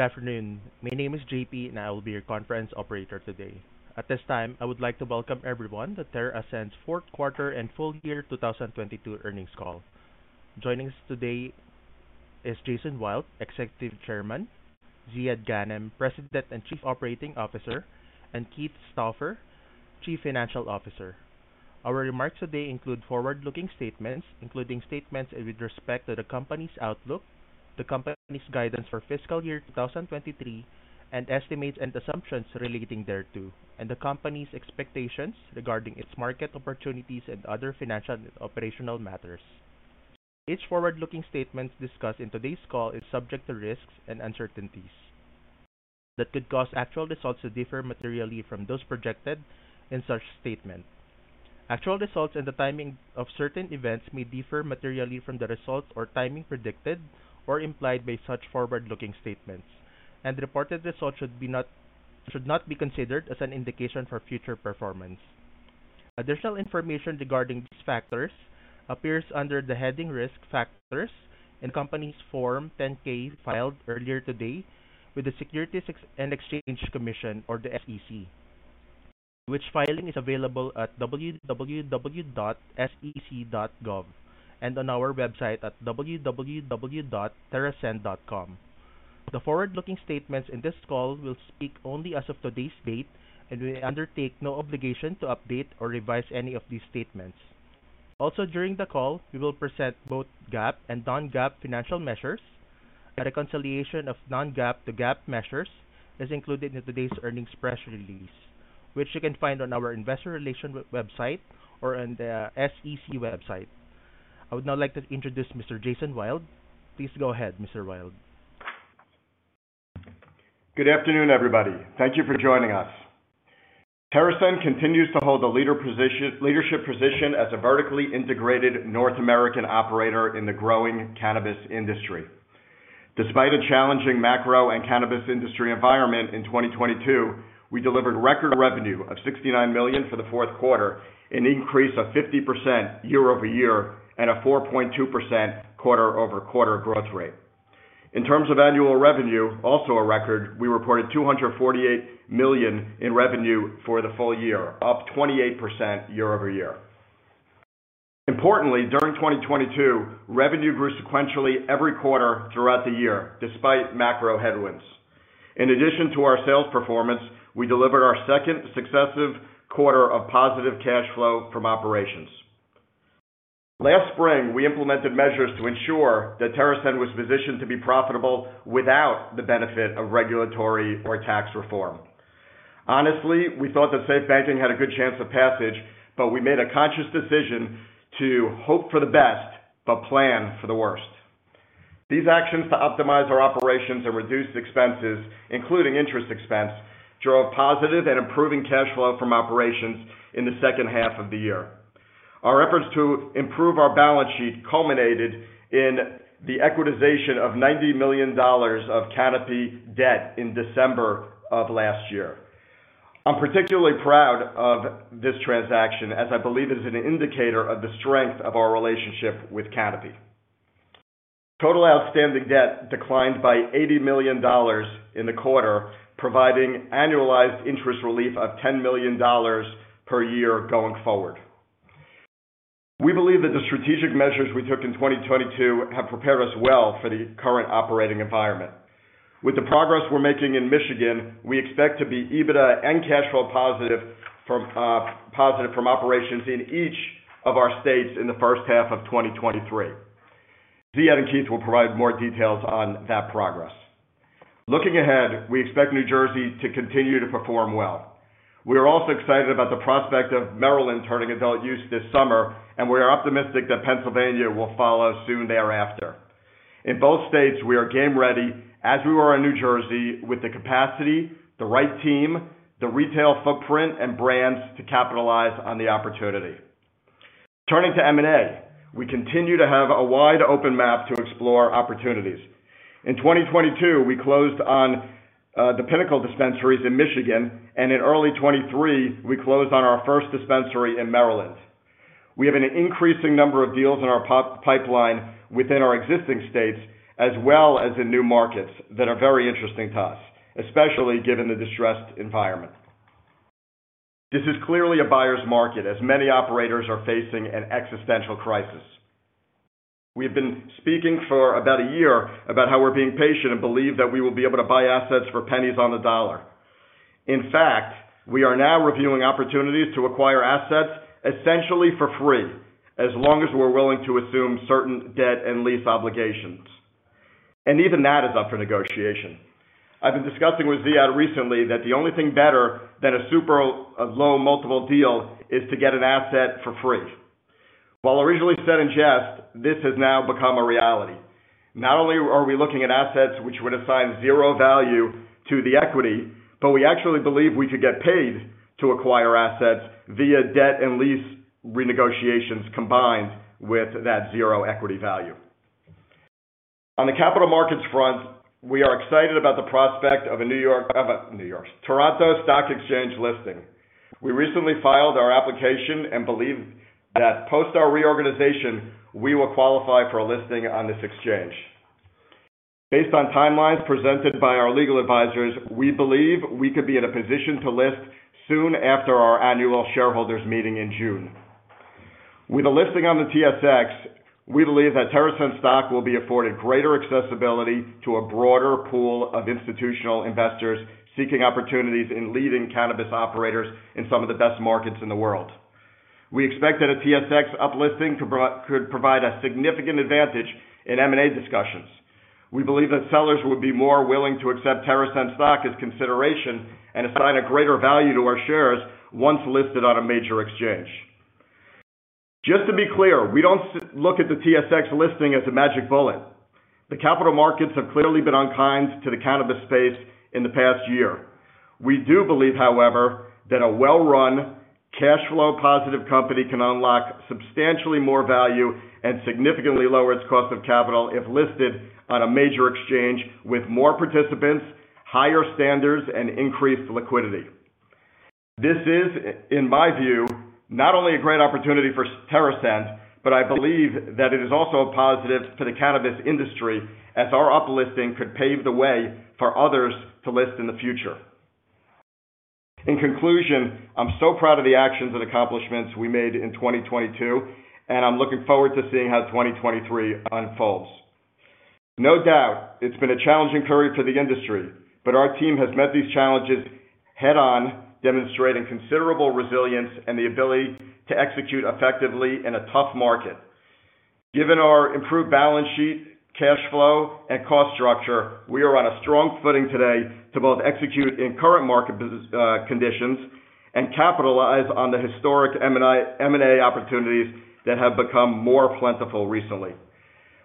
Good afternoon. My name is JP, and I will be your conference operator today. At this time, I would like to welcome everyone to TerrAscend's fourth quarter and full year 2022 earnings call. Joining us today is Jason Wild, Executive Chairman, Ziad Ghanem, President and Chief Operating Officer, and Keith Stauffer, Chief Financial Officer. Our remarks today include forward-looking statements, including statements with respect to the company's outlook, the company's guidance for fiscal year 2023, and estimates and assumptions relating thereto, and the company's expectations regarding its market opportunities and other financial and operational matters. Each forward-looking statement discussed in today's call is subject to risks and uncertainties that could cause actual results to differ materially from those projected in such statement. Actual results and the timing of certain events may differ materially from the results or timing predicted or implied by such forward-looking statements. The reported results should not be considered as an indication for future performance. Additional information regarding these factors appears under the heading Risk Factors in the company's Form 10-K filed earlier today with the Securities and Exchange Commission or the SEC, which filing is available at www.sec.gov and on our website at www.terrascend.com. The forward-looking statements in this call will speak only as of today's date, and we undertake no obligation to update or revise any of these statements. Also, during the call, we will present both GAAP and non-GAAP financial measures. A reconciliation of non-GAAP to GAAP measures is included in today's earnings press release, which you can find on our investor relation website or on the SEC website. I would now like to introduce Mr. Jason Wild. Please go ahead, Mr. Wild. Good afternoon, everybody. Thank you for joining us. TerrAscend continues to hold a leadership position as a vertically integrated North American operator in the growing cannabis industry. Despite a challenging macro and cannabis industry environment in 2022, we delivered record revenue of $69 million for the fourth quarter, an increase of 50% year-over-year and a 4.2% quarter-over-quarter growth rate. In terms of annual revenue, also a record, we reported $248 million in revenue for the full year, up 28% year-over-year. Importantly, during 2022, revenue grew sequentially every quarter throughout the year, despite macro headwinds. In addition to our sales performance, we delivered our second successive quarter of positive cash flow from operations. Last spring, we implemented measures to ensure that TerrAscend was positioned to be profitable without the benefit of regulatory or tax reform. Honestly, we thought that SAFE Banking had a good chance of passage, but we made a conscious decision to hope for the best but plan for the worst. These actions to optimize our operations and reduce expenses, including interest expense, drove positive and improving cash flow from operations in the second half of the year. Our efforts to improve our balance sheet culminated in the equitization of $90 million of Canopy debt in December of last year. I'm particularly proud of this transaction as I believe it is an indicator of the strength of our relationship with Canopy. Total outstanding debt declined by $80 million in the quarter, providing annualized interest relief of $10 million per year going forward. We believe that the strategic measures we took in 2022 have prepared us well for the current operating environment. With the progress we're making in Michigan, we expect to be EBITDA and cash flow positive from operations in each of our states in the first half of 2023. Ziad and Keith will provide more details on that progress. We expect New Jersey to continue to perform well. We are also excited about the prospect of Maryland turning adult use this summer, and we are optimistic that Pennsylvania will follow soon thereafter. In both states, we are game ready as we were in New Jersey with the capacity, the right team, the retail footprint, and brands to capitalize on the opportunity. We continue to have a wide open map to explore opportunities. In 2022, we closed on the Pinnacle Dispensaries in Michigan, and in early 2023, we closed on our first dispensary in Maryland. We have an increasing number of deals in our pipeline within our existing states as well as in new markets that are very interesting to us, especially given the distressed environment. This is clearly a buyer's market as many operators are facing an existential crisis. We have been speaking for about a year about how we're being patient and believe that we will be able to buy assets for pennies on the dollar. In fact, we are now reviewing opportunities to acquire assets essentially for free, as long as we're willing to assume certain debt and lease obligations. Even that is up for negotiation. I've been discussing with Ziad recently that the only thing better than a super low multiple deal is to get an asset for free. While originally said in jest, this has now become a reality. Not only are we looking at assets which would assign zero value to the equity, but we actually believe we could get paid to acquire assets via debt and lease renegotiations combined with that zero equity value. On the capital markets front, we are excited about the prospect of a New York, Toronto Stock Exchange listing. We recently filed our application and believe that post our reorganization, we will qualify for a listing on this exchange. Based on timelines presented by our legal advisors, we believe we could be in a position to list soon after our annual shareholders meeting in June. With a listing on the TSX, we believe that TerrAscend stock will be afforded greater accessibility to a broader pool of institutional investors seeking opportunities in leading cannabis operators in some of the best markets in the world. We expect that a TSX uplisting could provide a significant advantage in M&A discussions. We believe that sellers would be more willing to accept TerrAscend stock as consideration and assign a greater value to our shares once listed on a major exchange. Just to be clear, we don't look at the TSX listing as a magic bullet. The capital markets have clearly been unkind to the cannabis space in the past year. We do believe, however, that a well-run, cash flow positive company can unlock substantially more value and significantly lower its cost of capital if listed on a major exchange with more participants, higher standards, and increased liquidity. This is, in my view, not only a great opportunity for TerrAscend, but I believe that it is also a positive to the cannabis industry as our uplisting could pave the way for others to list in the future. In conclusion, I'm so proud of the actions and accomplishments we made in 2022, and I'm looking forward to seeing how 2023 unfolds. No doubt, it's been a challenging period for the industry, but our team has met these challenges head on, demonstrating considerable resilience and the ability to execute effectively in a tough market. Given our improved balance sheet, cash flow, and cost structure, we are on a strong footing today to both execute in current market conditions and capitalize on the historic M&A opportunities that have become more plentiful recently.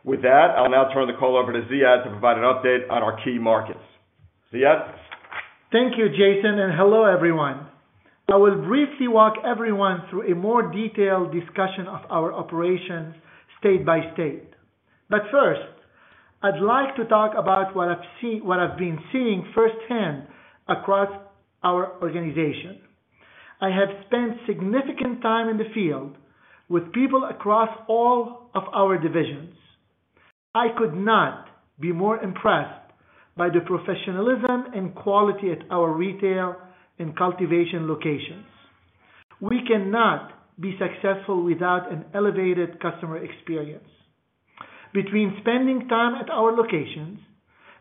With that, I'll now turn the call over to Ziad to provide an update on our key markets. Ziad? Thank you, Jason. Hello, everyone. I will briefly walk everyone through a more detailed discussion of our operations state by state. First, I'd like to talk about what I've been seeing firsthand across our organization. I have spent significant time in the field with people across all of our divisions. I could not be more impressed by the professionalism and quality at our retail and cultivation locations. We cannot be successful without an elevated customer experience. Between spending time at our locations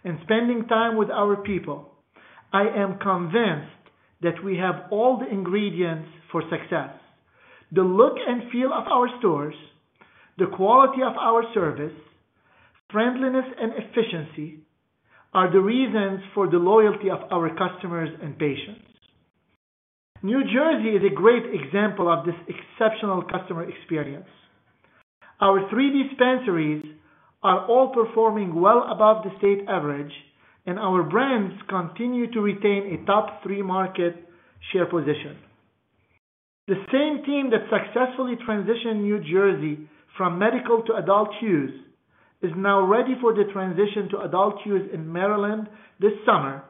and spending time with our people, I am convinced that we have all the ingredients for success. The look and feel of our stores, the quality of our service, friendliness, and efficiency are the reasons for the loyalty of our customers and patients. New Jersey is a great example of this exceptional customer experience. Our three dispensaries are all performing well above the state average, and our brands continue to retain a top three market share position. The same team that successfully transitioned New Jersey from medical to adult use is now ready for the transition to adult use in Maryland this summer,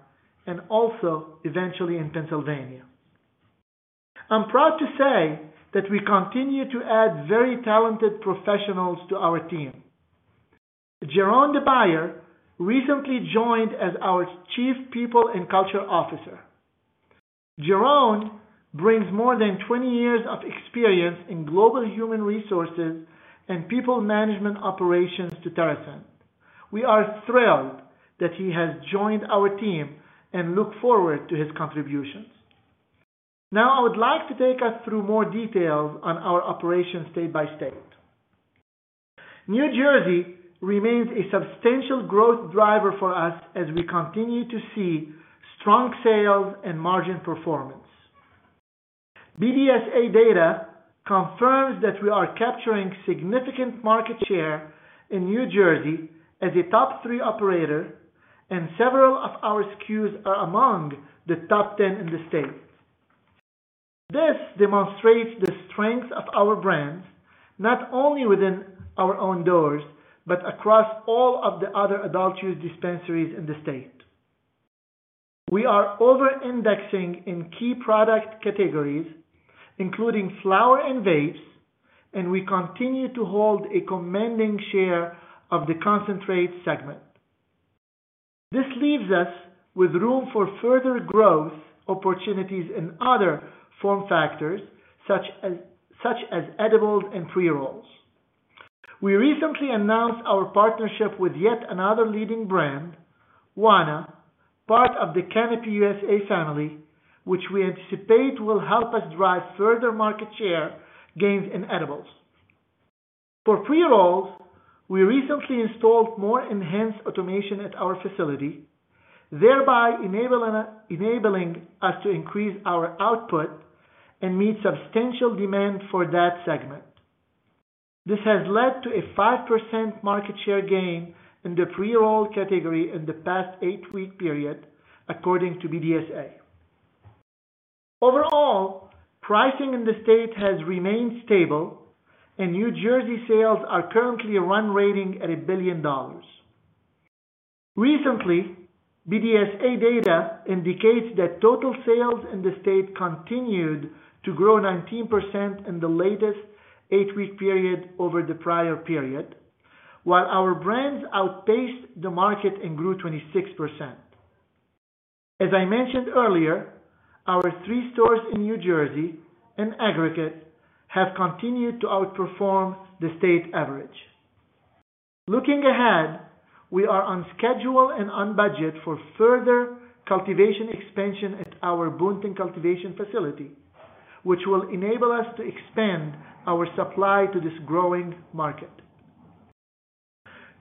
and also eventually in Pennsylvania. I'm proud to say that we continue to add very talented professionals to our team. Jeroen De Beijer recently joined as our Chief People and Culture Officer. Jeroen brings more than 20 years of experience in global human resources and people management operations to TerrAscend. We are thrilled that he has joined our team and look forward to his contributions. Now, I would like to take us through more details on our operations state by state. New Jersey remains a substantial growth driver for us as we continue to see strong sales and margin performance. BDSA data confirms that we are capturing significant market share in New Jersey as a top three operator, and several of our SKUs are among the top 10 in the state. This demonstrates the strength of our brands, not only within our own doors, but across all of the other adult use dispensaries in the state. We are over-indexing in key product categories, including flower and vapes, and we continue to hold a commanding share of the concentrate segment. This leaves us with room for further growth opportunities in other form factors such as edibles and pre-rolls. We recently announced our partnership with yet another leading brand, Wana, part of the Canopy USA family, which we anticipate will help us drive further market share gains in edibles. For pre-rolls, we recently installed more enhanced automation at our facility, thereby enabling us to increase our output and meet substantial demand for that segment. This has led to a 5% market share gain in the pre-roll category in the past eight-week period, according to BDSA. Overall, pricing in the state has remained stable. New Jersey sales are currently run rating at $1 billion. Recently, BDSA data indicates that total sales in the state continued to grow 19% in the latest eight-week period over the prior period, while our brands outpaced the market and grew 26%. As I mentioned earlier, our three stores in New Jersey in aggregate have continued to outperform the state average. Looking ahead, we are on schedule and on budget for further cultivation expansion at our Boonton cultivation facility, which will enable us to expand our supply to this growing market.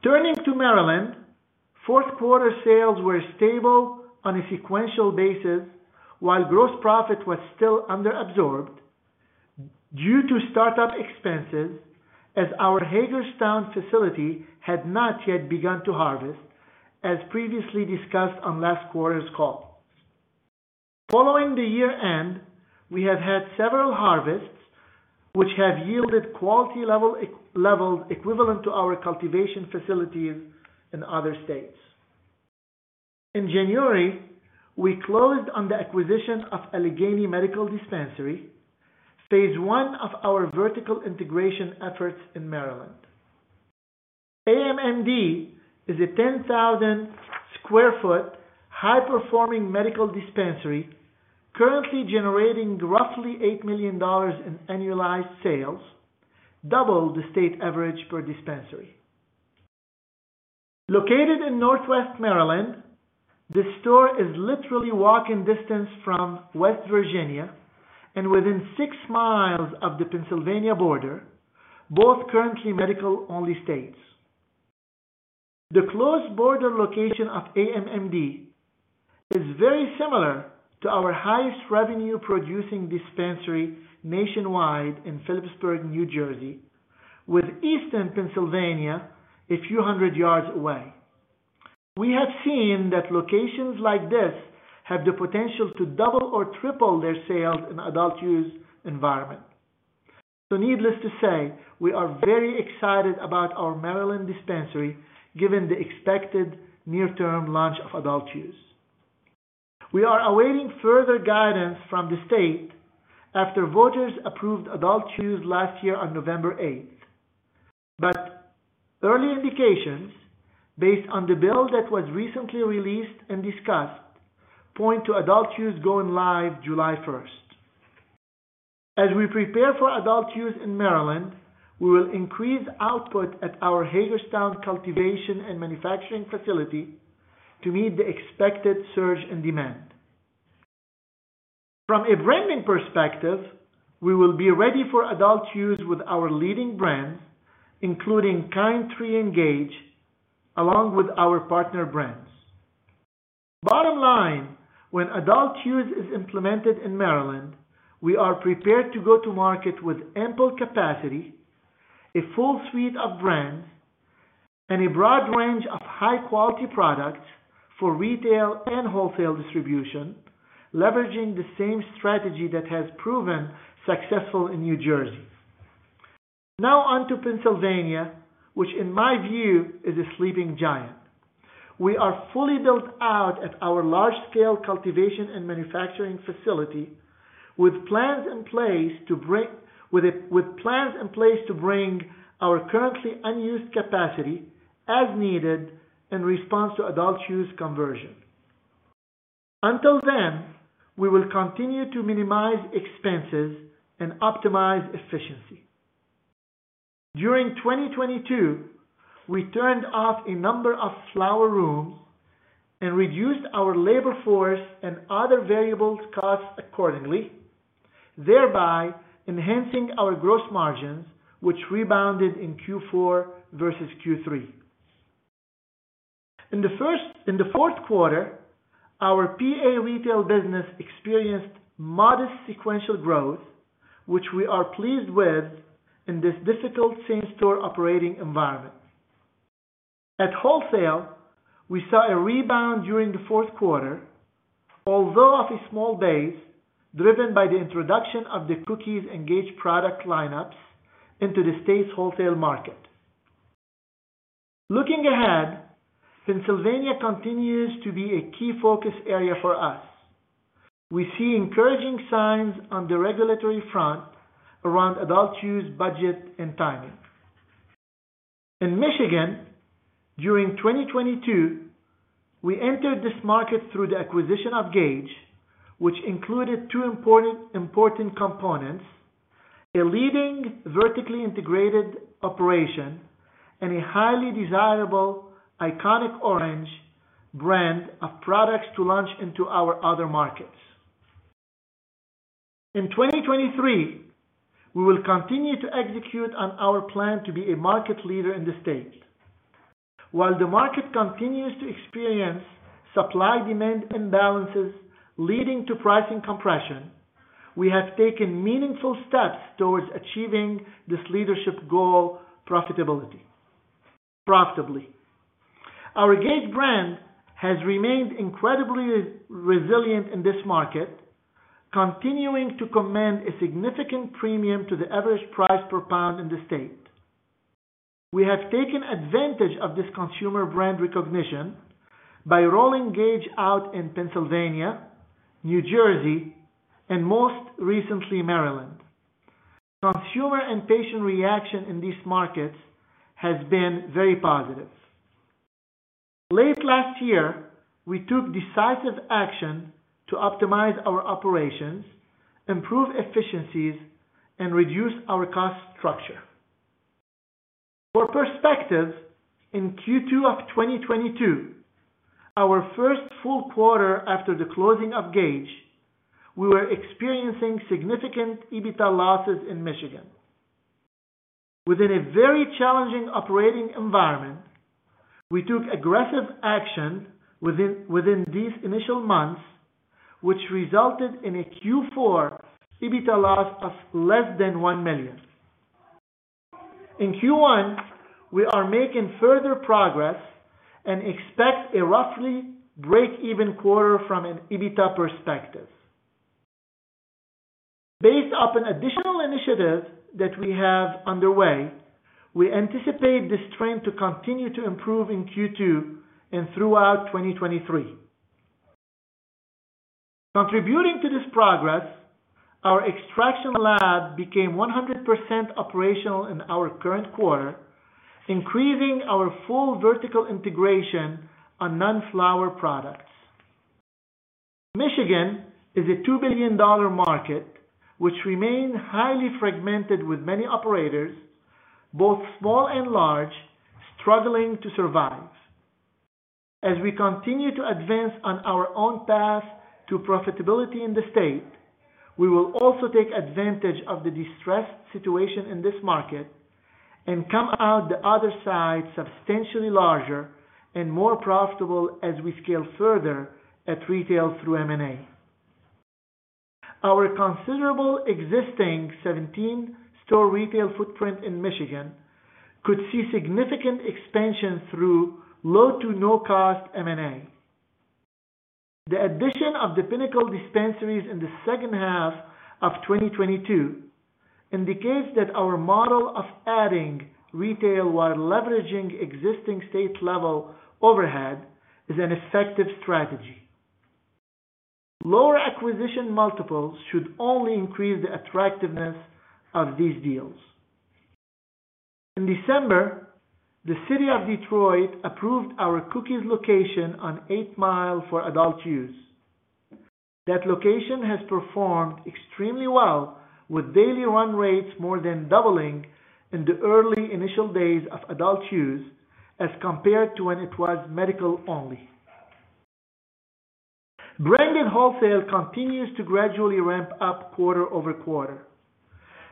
Turning to Maryland, fourth quarter sales were stable on a sequential basis while gross profit was still under-absorbed due to startup expenses as our Hagerstown facility had not yet begun to harvest, as previously discussed on last quarter's call. Following the year-end, we have had several harvests which have yielded quality level, equivalent to our cultivation facilities in other states. In January, we closed on the acquisition of Allegany Medical Dispensary, phase one of our vertical integration efforts in Maryland. AMMD is a 10,000 sq ft high-performing medical dispensary currently generating roughly $8 million in annualized sales, double the state average per dispensary. Located in Northwest Maryland, the store is literally walking distance from West Virginia and within 6 mi of the Pennsylvania border, both currently medical-only states. The close border location of AMMD is very similar to our highest revenue-producing dispensary nationwide in Phillipsburg, New Jersey, with Eastern Pennsylvania a few hundred yards away. We have seen that locations like this have the potential to double or triple their sales in adult use environment. Needless to say, we are very excited about our Maryland dispensary given the expected near-term launch of adult use. We are awaiting further guidance from the state after voters approved adult use last year on November 8th. Early indications based on the bill that was recently released and discussed point to adult use going live July 1st. As we prepare for adult use in Maryland, we will increase output at our Hagerstown cultivation and manufacturing facility to meet the expected surge in demand. From a branding perspective, we will be ready for adult use with our leading brands, including Kind Tree and Gage, along with our partner brands. Bottom line, when adult use is implemented in Maryland, we are prepared to go to market with ample capacity, a full suite of brands, and a broad range of high-quality products for retail and wholesale distribution, leveraging the same strategy that has proven successful in New Jersey. Now on to Pennsylvania, which in my view is a sleeping giant. We are fully built out at our large-scale cultivation and manufacturing facility with plans in place to bring our currently unused capacity as needed in response to adult use conversion. Until then, we will continue to minimize expenses and optimize efficiency. During 2022, we turned off a number of flower rooms and reduced our labor force and other variable costs accordingly, thereby enhancing our gross margins, which rebounded in Q4 versus Q3. In the fourth quarter, our PA retail business experienced modest sequential growth, which we are pleased with in this difficult same-store operating environment. At wholesale, we saw a rebound during the fourth quarter, although off a small base, driven by the introduction of the Cookies and Gage product lineups into the state's wholesale market. Looking ahead, Pennsylvania continues to be a key focus area for us. We see encouraging signs on the regulatory front around adult use budget and timing. In Michigan, during 2022, we entered this market through the acquisition of Gage, which included two important components: a leading vertically integrated operation and a highly desirable iconic orange brand of products to launch into our other markets. In 2023, we will continue to execute on our plan to be a market leader in the state. While the market continues to experience supply-demand imbalances leading to pricing compression, we have taken meaningful steps towards achieving this leadership goal profitably. Our Gage brand has remained incredibly resilient in this market. Continuing to command a significant premium to the average price per pound in the state. We have taken advantage of this consumer brand recognition by rolling Gage out in Pennsylvania, New Jersey, and most recently, Maryland. Consumer and patient reaction in these markets has been very positive. Late last year, we took decisive action to optimize our operations, improve efficiencies, and reduce our cost structure. For perspective, in Q2 of 2022, our first full quarter after the closing of Gage, we were experiencing significant EBITDA losses in Michigan. Within a very challenging operating environment, we took aggressive action within these initial months, which resulted in a Q4 EBITDA loss of less than $1 million. In Q1, we are making further progress and expect a roughly break-even quarter from an EBITDA perspective. Based off an additional initiative that we have underway, we anticipate this trend to continue to improve in Q2 and throughout 2023. Contributing to this progress, our extraction lab became 100% operational in our current quarter, increasing our full vertical integration on non-flower products. Michigan is a $2 billion market which remain highly fragmented with many operators, both small and large, struggling to survive. As we continue to advance on our own path to profitability in the state, we will also take advantage of the distressed situation in this market and come out the other side substantially larger and more profitable as we scale further at retail through M&A. Our considerable existing 17-store retail footprint in Michigan could see significant expansion through low to no-cost M&A. The addition of the Pinnacle Dispensaries in the second half of 2022 indicates that our model of adding retail while leveraging existing state-level overhead is an effective strategy. Lower acquisition multiples should only increase the attractiveness of these deals. In December, the City of Detroit approved our Cookies location on 8 Mile for adult use. That location has performed extremely well with daily run rates more than doubling in the early initial days of adult use as compared to when it was medical only. Branded wholesale continues to gradually ramp up quarter-over-quarter.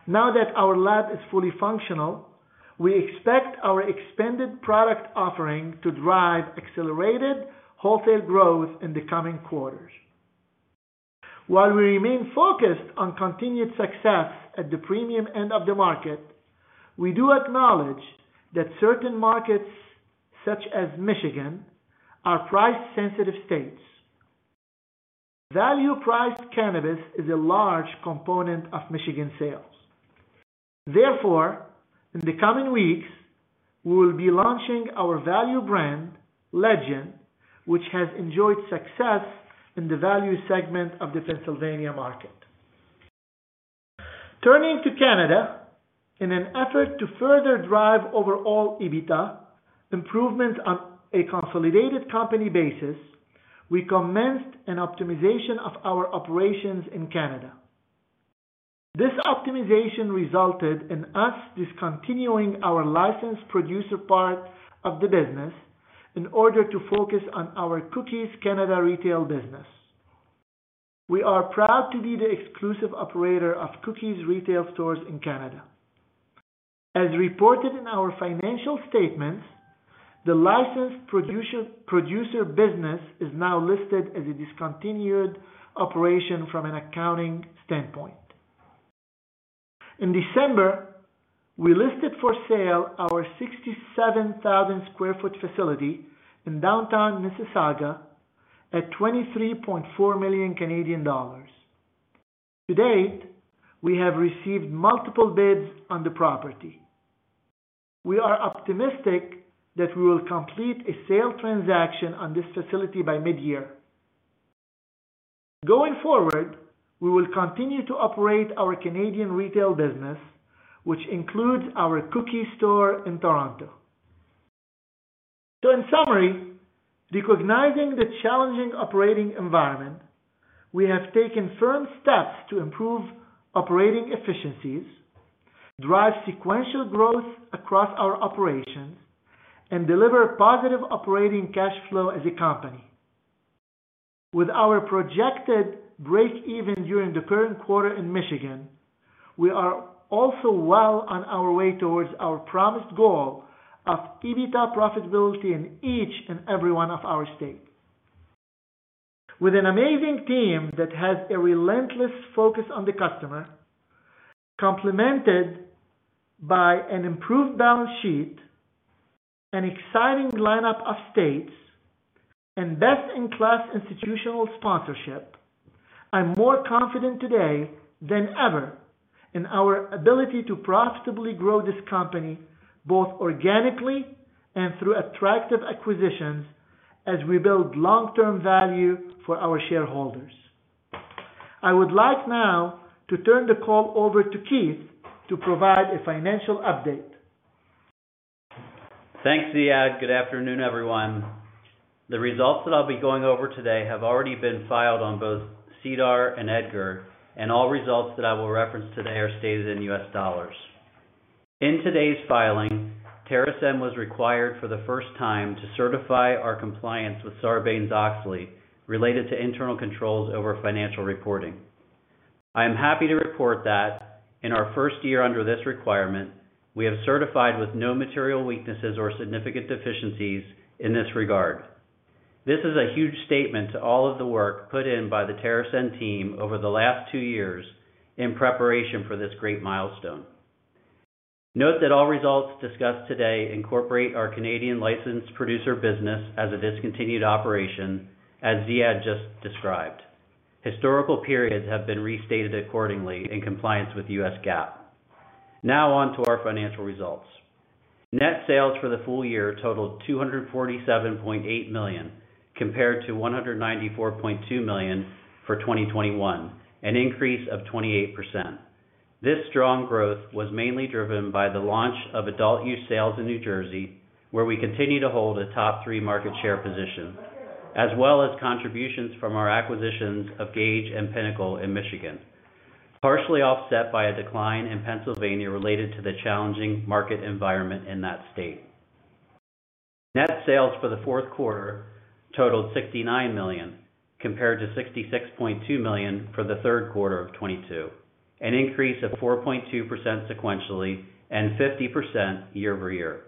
Now that our lab is fully functional, we expect our expanded product offering to drive accelerated wholesale growth in the coming quarters. While we remain focused on continued success at the premium end of the market, we do acknowledge that certain markets, such as Michigan, are price-sensitive states. Value-priced cannabis is a large component of Michigan sales. Therefore, in the coming weeks, we will be launching our value brand, Legend, which has enjoyed success in the value segment of the Pennsylvania market. Turning to Canada, in an effort to further drive overall EBITDA improvement on a consolidated company basis, we commenced an optimization of our operations in Canada. This optimization resulted in us discontinuing our licensed producer part of the business in order to focus on our Cookies Canada retail business. We are proud to be the exclusive operator of Cookies retail stores in Canada. As reported in our financial statements, the licensed producer business is now listed as a discontinued operation from an accounting standpoint. In December, we listed for sale our 67,000 sq ft facility in downtown Mississauga at 23.4 million Canadian dollars. To date, we have received multiple bids on the property. We are optimistic that we will complete a sale transaction on this facility by mid-year. Going forward, we will continue to operate our Canadian retail business, which includes our Cookies store in Toronto. In summary, recognizing the challenging operating environment, we have taken firm steps to improve operating efficiencies, drive sequential growth across our operations, and deliver positive operating cash flow as a company. With our projected break-even during the current quarter in Michigan, we are also well on our way towards our promised goal of EBITDA profitability in each and every one of our states. With an amazing team that has a relentless focus on the customer, complemented by an improved balance sheet. An exciting lineup of states and best-in-class institutional sponsorship. I'm more confident today than ever in our ability to profitably grow this company, both organically and through attractive acquisitions as we build long-term value for our shareholders. I would like now to turn the call over to Keith to provide a financial update. Thanks, Ziad. Good afternoon, everyone. The results that I'll be going over today have already been filed on both SEDAR and EDGAR. All results that I will reference today are stated in U.S. dollars. In today's filing, TerrAscend was required for the first time to certify our compliance with Sarbanes-Oxley related to internal controls over financial reporting. I am happy to report that in our first year under this requirement, we have certified with no material weaknesses or significant deficiencies in this regard. This is a huge statement to all of the work put in by the TerrAscend team over the last two years in preparation for this great milestone. Note that all results discussed today incorporate our Canadian licensed producer business as a discontinued operation, as Ziad just described. Historical periods have been restated accordingly in compliance with U.S. GAAP. Now on to our financial results. Net sales for the full year totaled $247.8 million, compared to $194.2 million for 2021, an increase of 28%. This strong growth was mainly driven by the launch of adult use sales in New Jersey, where we continue to hold a top three market share position, as well as contributions from our acquisitions of Gage and Pinnacle in Michigan, partially offset by a decline in Pennsylvania related to the challenging market environment in that state. Net sales for the fourth quarter totaled $69 million, compared to $66.2 million for the third quarter of 2022, an increase of 4.2% sequentially and 50% year-over-year.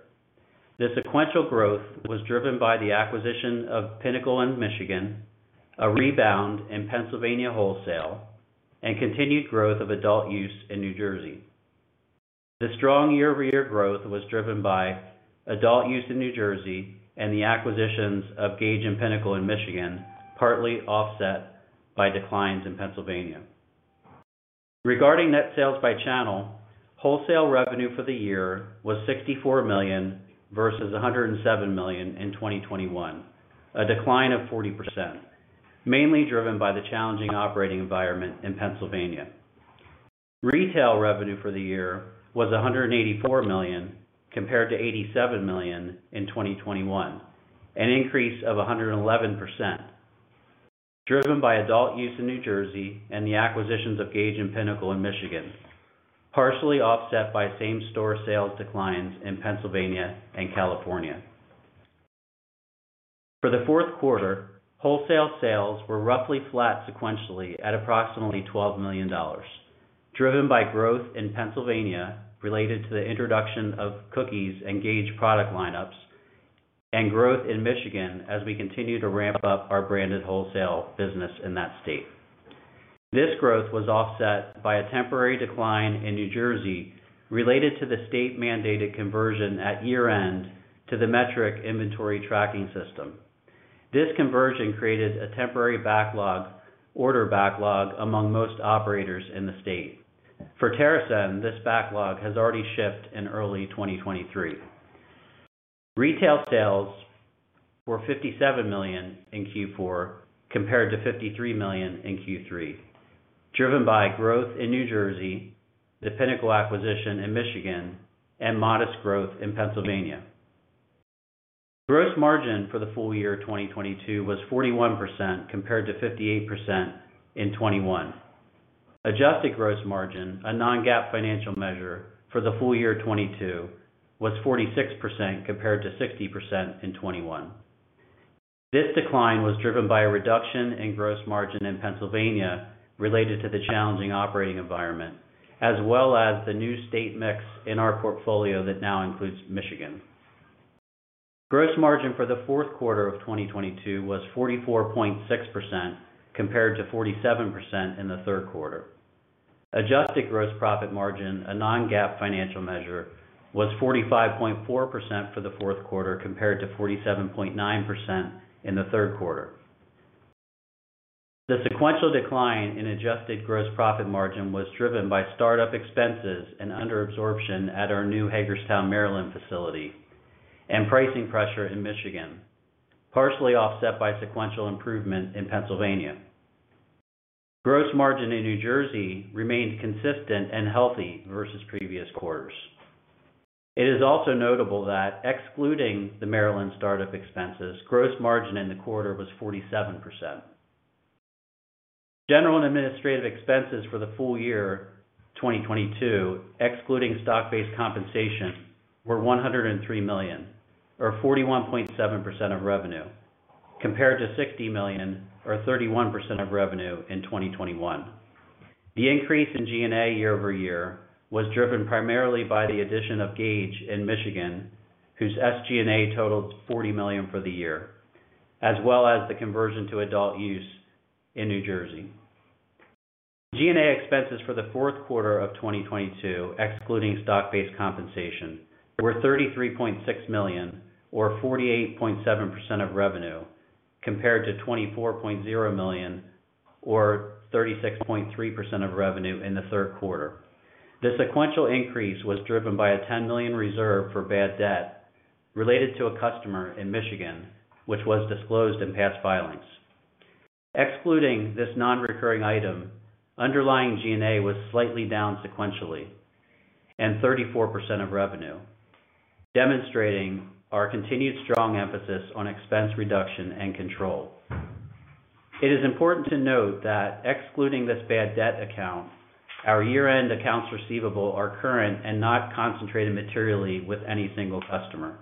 The sequential growth was driven by the acquisition of Pinnacle in Michigan, a rebound in Pennsylvania wholesale, and continued growth of adult use in New Jersey. The strong year-over-year growth was driven by adult use in New Jersey and the acquisitions of Gage and Pinnacle in Michigan, partly offset by declines in Pennsylvania. Regarding net sales by channel, wholesale revenue for the year was $64 million versus $107 million in 2021, a decline of 40%, mainly driven by the challenging operating environment in Pennsylvania. Retail revenue for the year was $184 million compared to $87 million in 2021, an increase of 111%, driven by adult use in New Jersey and the acquisitions of Gage and Pinnacle in Michigan, partially offset by same-store sales declines in Pennsylvania and California. For the fourth quarter, wholesale sales were roughly flat sequentially at approximately $12 million, driven by growth in Pennsylvania related to the introduction of Cookies and Gage product lineups, and growth in Michigan as we continue to ramp up our branded wholesale business in that state. This growth was offset by a temporary decline in New Jersey related to the state-mandated conversion at year-end to the Metrc inventory tracking system. This conversion created a temporary backlog, order backlog among most operators in the state. For TerrAscend, this backlog has already shipped in early 2023. Retail sales were $57 million in Q4 compared to $53 million in Q3, driven by growth in New Jersey, the Pinnacle acquisition in Michigan, and modest growth in Pennsylvania. Gross margin for the full year 2022 was 41% compared to 58% in 2021. Adjusted gross margin, a non-GAAP financial measure for the full year 2022 was 46% compared to 60% in 2021. This decline was driven by a reduction in gross margin in Pennsylvania related to the challenging operating environment, as well as the new state mix in our portfolio that now includes Michigan. Gross margin for the fourth quarter of 2022 was 44.6% compared to 47% in the third quarter. Adjusted gross profit margin, a non-GAAP financial measure, was 45.4% for the fourth quarter compared to 47.9% in the third quarter. The sequential decline in adjusted gross profit margin was driven by start-up expenses and under-absorption at our new Hagerstown, Maryland facility and pricing pressure in Michigan, partially offset by sequential improvement in Pennsylvania. Gross margin in New Jersey remained consistent and healthy versus previous quarters. It is also notable that excluding the Maryland start-up expenses, gross margin in the quarter was 47%. General and administrative expenses for the full year 2022, excluding stock-based compensation, were $103 million or 41.7% of revenue, compared to $60 million or 31% of revenue in 2021. The increase in G&A year-over-year was driven primarily by the addition of Gage in Michigan, whose SG&A totaled $40 million for the year, as well as the conversion to adult use in New Jersey. G&A expenses for the fourth quarter of 2022, excluding stock-based compensation, were $33.6 million or 48.7% of revenue, compared to $24.0 million or 36.3% of revenue in the third quarter. The sequential increase was driven by a $10 million reserve for bad debt related to a customer in Michigan, which was disclosed in past filings. Excluding this non-recurring item, underlying G&A was slightly down sequentially and 34% of revenue, demonstrating our continued strong emphasis on expense reduction and control. It is important to note that excluding this bad debt account, our year-end accounts receivable are current and not concentrated materially with any single customer.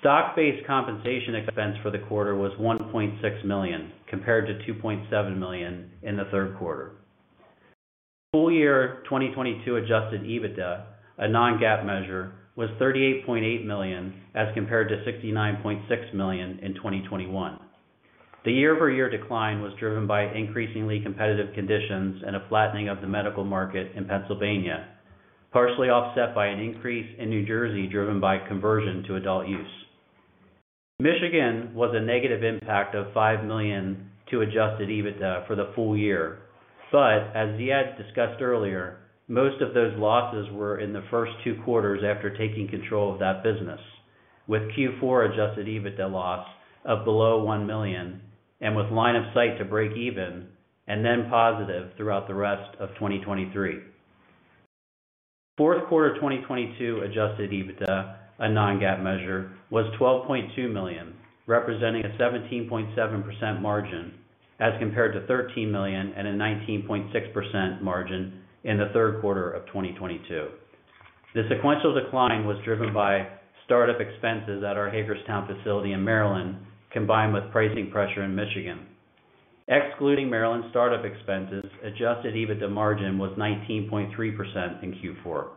Stock-based compensation expense for the quarter was $1.6 million, compared to $2.7 million in the third quarter. Full year 2022 adjusted EBITDA, a non-GAAP measure, was $38.8 million as compared to $69.6 million in 2021. The year-over-year decline was driven by increasingly competitive conditions and a flattening of the medical market in Pennsylvania, partially offset by an increase in New Jersey driven by conversion to adult use. Michigan was a negative impact of $5 million to adjusted EBITDA for the full year. As Ziad discussed earlier, most of those losses were in the first two quarters after taking control of that business, with Q4 adjusted EBITDA loss of below $1 million and with line of sight to break even and then positive throughout the rest of 2023. Fourth quarter 2022 adjusted EBITDA, a non-GAAP measure, was $12.2 million, representing a 17.7% margin as compared to $13 million and a 19.6% margin in the third quarter of 2022. The sequential decline was driven by start-up expenses at our Hagerstown facility in Maryland, combined with pricing pressure in Michigan. Excluding Maryland start-up expenses, adjusted EBITDA margin was 19.3% in Q4.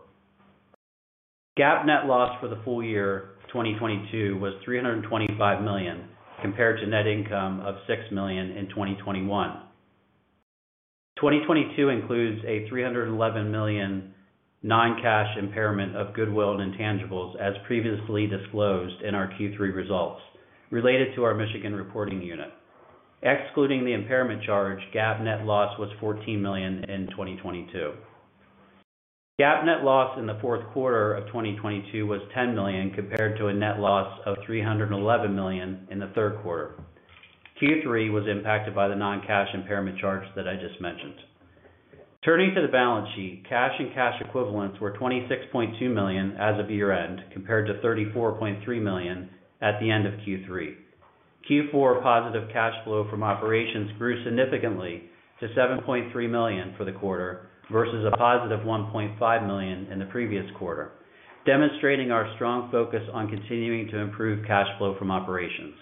GAAP net loss for the full year 2022 was $325 million, compared to net income of $6 million in 2021. 2022 includes a $311 million non-cash impairment of goodwill and intangibles, as previously disclosed in our Q3 results, related to our Michigan reporting unit. Excluding the impairment charge, GAAP net loss was $14 million in 2022. GAAP net loss in the fourth quarter of 2022 was $10 million, compared to a net loss of $311 million in the third quarter. Q3 was impacted by the non-cash impairment charge that I just mentioned. Turning to the balance sheet, cash and cash equivalents were $26.2 million as of year-end, compared to $34.3 million at the end of Q3. Q4 positive cash flow from operations grew significantly to $7.3 million for the quarter versus a +$1.5 million in the previous quarter, demonstrating our strong focus on continuing to improve cash flow from operations.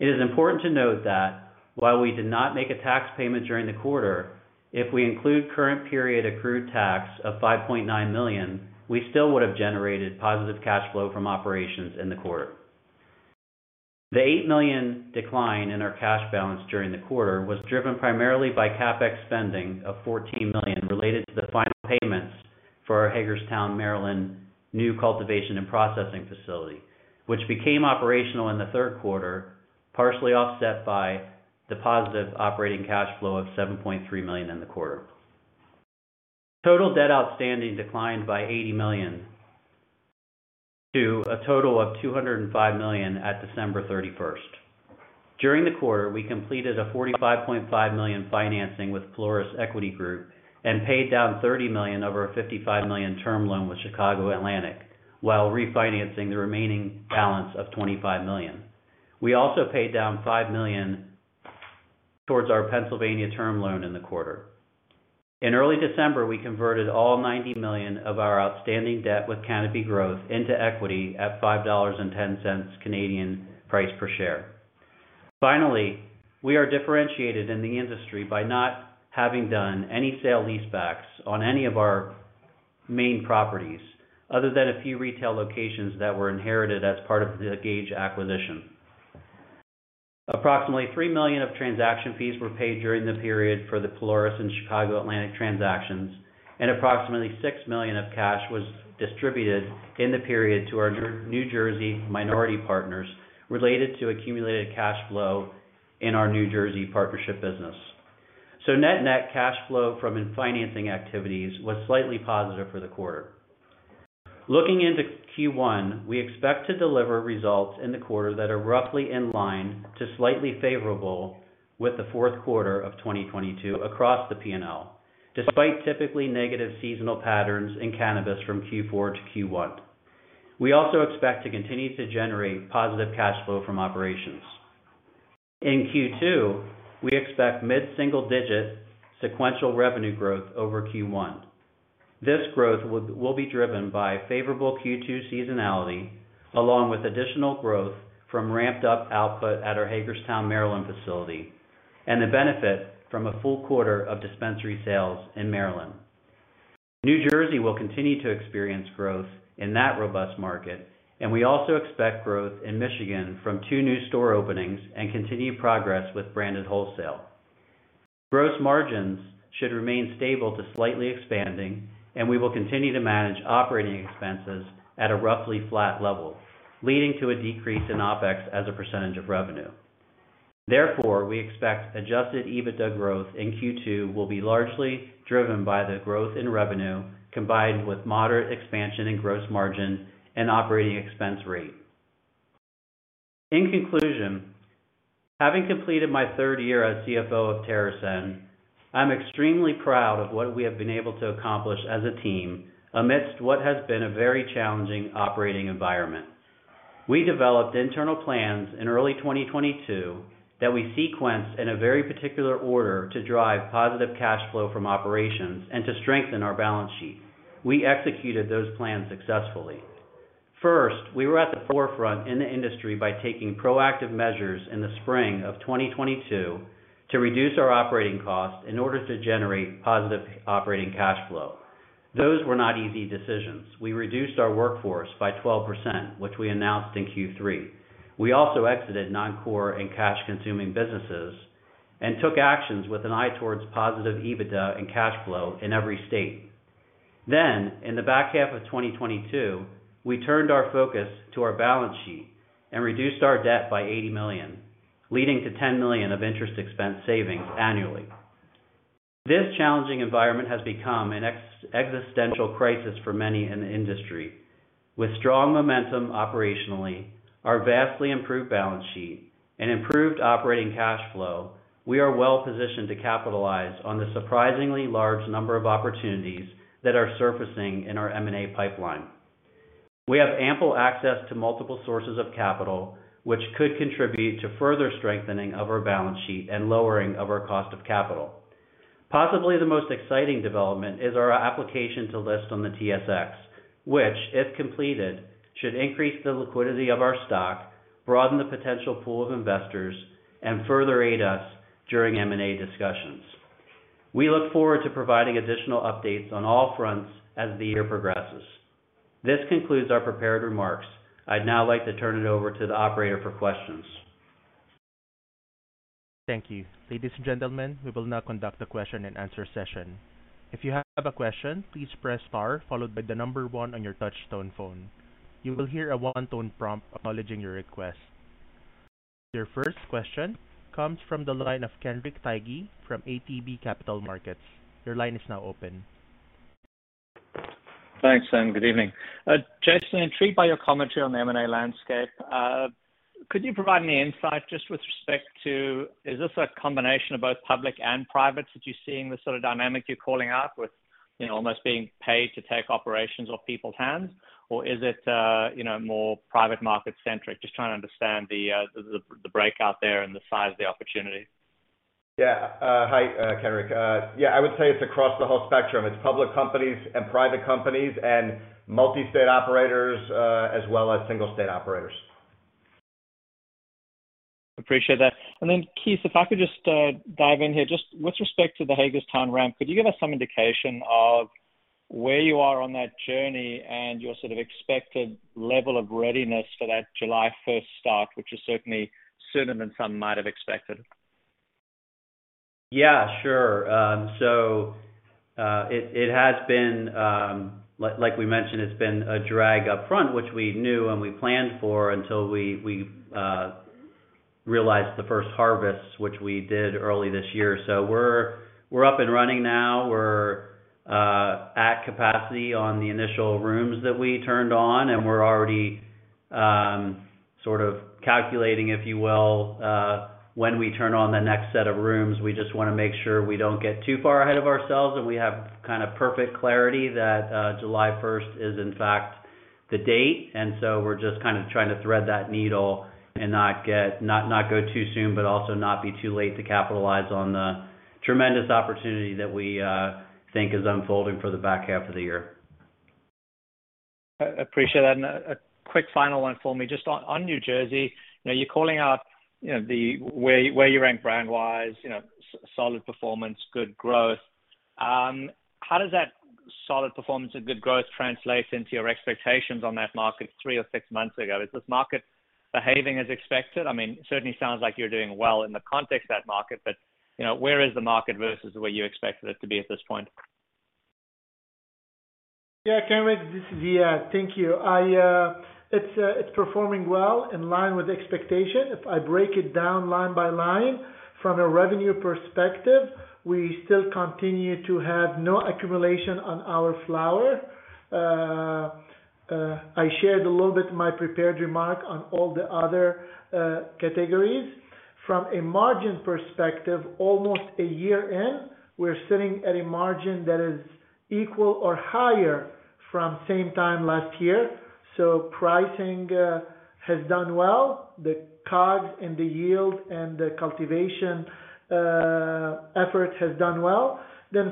It is important to note that while we did not make a tax payment during the quarter, if we include current period accrued tax of $5.9 million, we still would have generated positive cash flow from operations in the quarter. The $8 million decline in our cash balance during the quarter was driven primarily by CapEx spending of $14 million related to the final payments for our Hagerstown, Maryland new cultivation and processing facility, which became operational in the third quarter, partially offset by the positive operating cash flow of $7.3 million in the quarter. Total debt outstanding declined by $80 million to a total of $205 million at December 31st. During the quarter, we completed a $45.5 million financing with Pelorus Equity Group and paid down $30 million over a $55 million term loan with Chicago Atlantic while refinancing the remaining balance of $25 million. We also paid down $5 million towards our Pennsylvania term loan in the quarter. In early December, we converted all $90 million of our outstanding debt with Canopy Growth into equity at 5.10 Canadian dollars price per share. We are differentiated in the industry by not having done any sale leasebacks on any of our main properties, other than a few retail locations that were inherited as part of the Gage acquisition. Approximately $3 million of transaction fees were paid during the period for the Pelorus and Chicago Atlantic transactions, and approximately $6 million of cash was distributed in the period to our New Jersey minority partners related to accumulated cash flow in our New Jersey partnership business. Net net cash flow from in-financing activities was slightly positive for the quarter. Looking into Q1, we expect to deliver results in the quarter that are roughly in line to slightly favorable with the fourth quarter of 2022 across the P&L, despite typically negative seasonal patterns in cannabis from Q4 to Q1. We also expect to continue to generate positive cash flow from operations. In Q2, we expect mid-single-digit sequential revenue growth over Q1. This growth will be driven by favorable Q2 seasonality, along with additional growth from ramped up output at our Hagerstown, Maryland facility and the benefit from a full quarter of dispensary sales in Maryland. New Jersey will continue to experience growth in that robust market, and we also expect growth in Michigan from two new store openings and continued progress with branded wholesale. Gross margins should remain stable to slightly expanding, and we will continue to manage operating expenses at a roughly flat level, leading to a decrease in OpEx as a percentage of revenue. Therefore, we expect adjusted EBITDA growth in Q2 will be largely driven by the growth in revenue combined with moderate expansion in gross margin and operating expense rate. In conclusion, having completed my third year as CFO of TerrAscend, I'm extremely proud of what we have been able to accomplish as a team amidst what has been a very challenging operating environment. We developed internal plans in early 2022 that we sequenced in a very particular order to drive positive cash flow from operations and to strengthen our balance sheet. We executed those plans successfully. First, we were at the forefront in the industry by taking proactive measures in the spring of 2022 to reduce our operating costs in order to generate positive operating cash flow. Those were not easy decisions. We reduced our workforce by 12%, which we announced in Q3. We also exited non-core and cash consuming businesses and took actions with an eye towards positive EBITDA and cash flow in every state. In the back half of 2022, we turned our focus to our balance sheet and reduced our debt by $80 million, leading to $10 million of interest expense savings annually. This challenging environment has become an existential crisis for many in the industry. With strong momentum operationally, our vastly improved balance sheet and improved operating cash flow, we are well positioned to capitalize on the surprisingly large number of opportunities that are surfacing in our M&A pipeline. We have ample access to multiple sources of capital, which could contribute to further strengthening of our balance sheet and lowering of our cost of capital. Possibly the most exciting development is our application to list on the TSX, which, if completed, should increase the liquidity of our stock, broaden the potential pool of investors, and further aid us during M&A discussions. We look forward to providing additional updates on all fronts as the year progresses. This concludes our prepared remarks. I'd now like to turn it over to the operator for questions. Thank you. Ladies and gentlemen, we will now conduct a question-and-answer session. If you have a question, please press star followed by the number one on your touch tone phone. You will hear a one-tone prompt acknowledging your request. Your first question comes from the line of Kenric Tyghe from ATB Capital Markets. Your line is now open. Thanks. Good evening. Jason, intrigued by your commentary on the M&A landscape. Could you provide any insight just with respect to, is this a combination of both public and private that you're seeing the sort of dynamic you're calling out with, you know, almost being paid to take operations off people's hands? Or is it, you know, more private market-centric? Just trying to understand the breakout there and the size of the opportunity. Yeah. Hi, Kenric. Yeah, I would say it's across the whole spectrum. It's public companies and private companies and multi-state operators, as well as single state operators. Appreciate that. Then, Keith, if I could just dive in here. Just with respect to the Hagerstown ramp, could you give us some indication of where you are on that journey and your sort of expected level of readiness for that July 1st start, which is certainly sooner than some might have expected? Yeah, sure. It has been, like we mentioned, it's been a drag up front, which we knew and we planned for until we realized the first harvest, which we did early this year. We're up and running now. We're at capacity on the initial rooms that we turned on, and we're already sort of calculating, if you will, when we turn on the next set of rooms. We just wanna make sure we don't get too far ahead of ourselves, and we have kind of perfect clarity that July 1st is in fact the date. We're just kind of trying to thread that needle and not go too soon, but also not be too late to capitalize on the tremendous opportunity that we think is unfolding for the back half of the year. Appreciate that. A quick final one for me. Just on New Jersey, you know, you're calling out, you know, where you rank brand wise, you know, solid performance, good growth. How does that solid performance and good growth translate into your expectations on that market three or six months ago? Is this market behaving as expected? I mean, certainly sounds like you're doing well in the context of that market, but, you know, where is the market versus where you expected it to be at this point? Yeah. Kenric, this is Ziad. Thank you. It's performing well in line with expectation. If I break it down line by line from a revenue perspective, we still continue to have no accumulation on our flower. I shared a little bit in my prepared remark on all the other categories. From a margin perspective, almost a year in, we're sitting at a margin that is equal or higher from same time last year. Pricing has done well. The COGS and the yield and the cultivation effort has done well.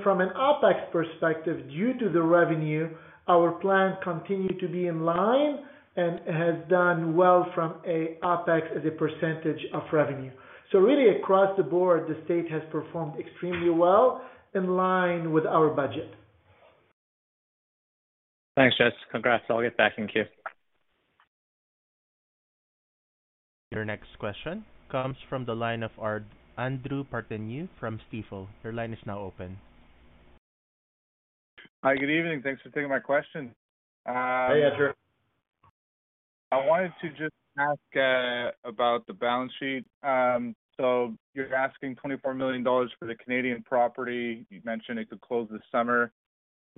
From an OpEx perspective, due to the revenue, our plan continued to be in line and has done well from a OpEx as a percentage of revenue. Really across the board, the state has performed extremely well in line with our budget. Thanks, Ziad. Congrats. I'll get back in queue. Your next question comes from the line of Andrew Partheniou from Stifel. Your line is now open. Hi. Good evening. Thanks for taking my question. Hey, Andrew. I wanted to just ask about the balance sheet. You're asking $24 million for the Canadian property. You mentioned it could close this summer.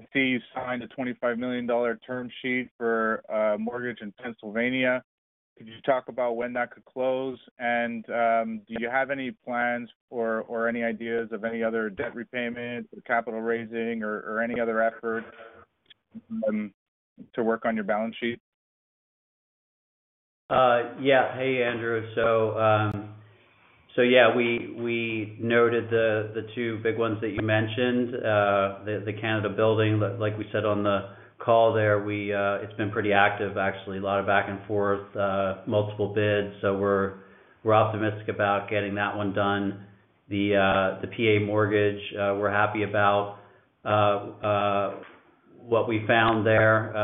I see you signed a $25 million term sheet for a mortgage in Pennsylvania. Could you talk about when that could close? Do you have any plans or any ideas of any other debt repayment, capital raising or any other effort to work on your balance sheet? Yeah. Hey, Andrew. Yeah, we noted the two big ones that you mentioned. The Canada building, like we said on the call there, It's been pretty active, actually. A lot of back and forth, multiple bids. We're optimistic about getting that one done. The PA mortgage, we're happy about what we found there,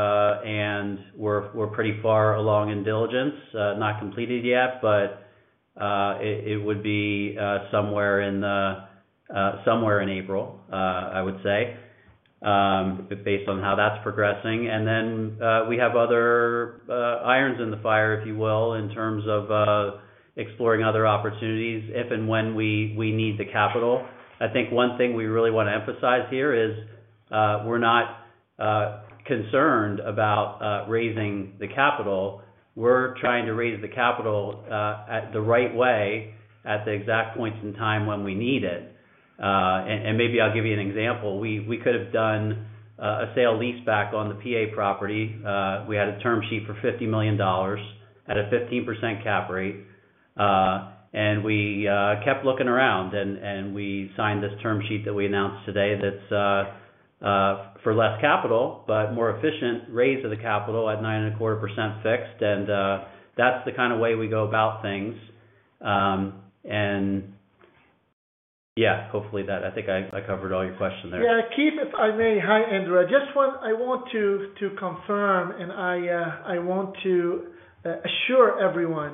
and we're pretty far along in diligence. Not completed yet, but it would be somewhere in April, I would say, based on how that's progressing. Then, we have other irons in the fire, if you will, in terms of exploring other opportunities if and when we need the capital. I think one thing we really wanna emphasize here is, we're not concerned about raising the capital. We're trying to raise the capital at the right way, at the exact points in time when we need it. Maybe I'll give you an example. We could have done a sale leaseback on the PA property. We had a term sheet for $50 million at a 15% cap rate, and we kept looking around and we signed this term sheet that we announced today that's for less capital, but more efficient raise of the capital at 9.25% fixed. That's the kind of way we go about things. Yeah, hopefully that. I think I covered all your questions there. Yeah, Keith, if I may. Hi, Andrew. I just want to confirm, I want to assure everyone,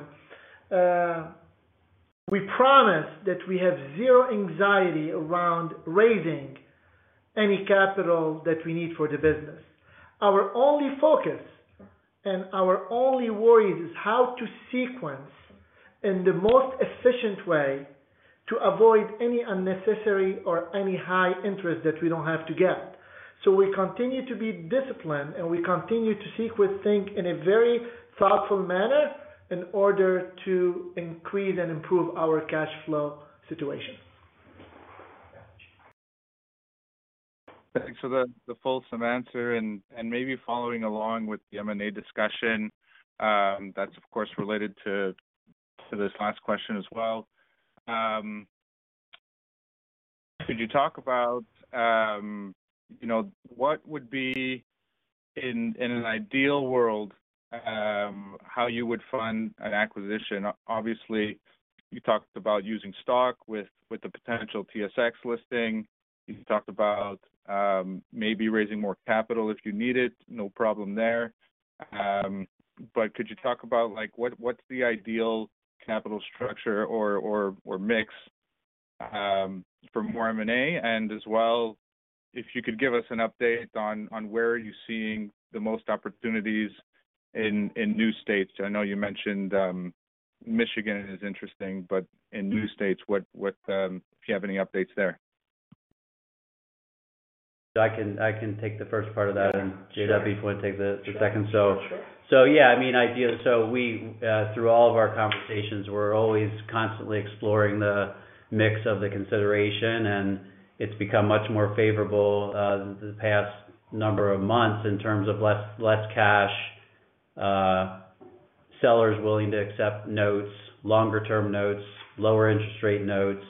we promise that we have zero anxiety around raising any capital that we need for the business. Our only focus and our only worry is how to sequence in the most efficient way to avoid any unnecessary or any high interest that we don't have to get. We continue to be disciplined, and we continue to sequence things in a very thoughtful manner in order to increase and improve our cash flow situation. Thanks for the fulsome answer. Maybe following along with the M&A discussion, that's of course related to this last question as well. Could you talk about, you know, what would be, in an ideal world, how you would fund an acquisition? Obviously, you talked about using stock with the potential TSX listing. You talked about maybe raising more capital if you need it. No problem there. Could you talk about like, what's the ideal capital structure or mix for more M&A? As well, if you could give us an update on where are you seeing the most opportunities in new states. I know you mentioned Michigan is interesting, but in new states, what, if you have any updates there. I can take the first part of that. Yeah, sure. JW probably take the second. Sure. Yeah, I mean, we, through all of our conversations, we're always constantly exploring the mix of the consideration, and it's become much more favorable the past number of months in terms of less cash, sellers willing to accept notes, longer term notes, lower interest rate notes,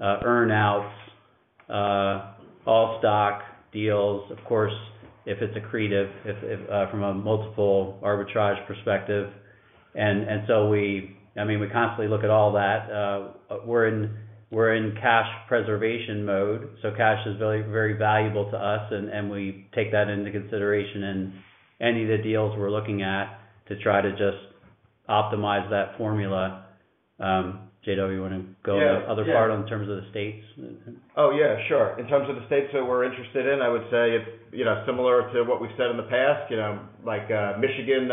earn outs, all stock deals. Of course, if it's accretive, if from a multiple arbitrage perspective. I mean, we constantly look at all that. We're in cash preservation mode, so cash is very, very valuable to us and we take that into consideration in any of the deals we're looking at to try to just optimize that formula. JW, you wanna go to the other part in terms of the states? Oh, yeah, sure. In terms of the states that we're interested in, I would say it's, you know, similar to what we've said in the past, you know, like Michigan,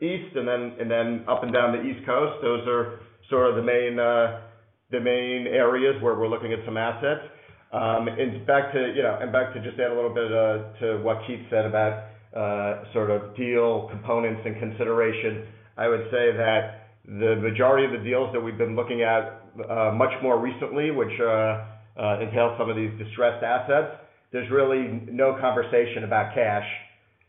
east and then up and down the East Coast. Those are sort of the main areas where we're looking at some assets. Back to, you know, just add a little bit to what Keith said about sort of deal components and consideration. I would say that the majority of the deals that we've been looking at, much more recently, which entails some of these distressed assets, there's really no conversation about cash.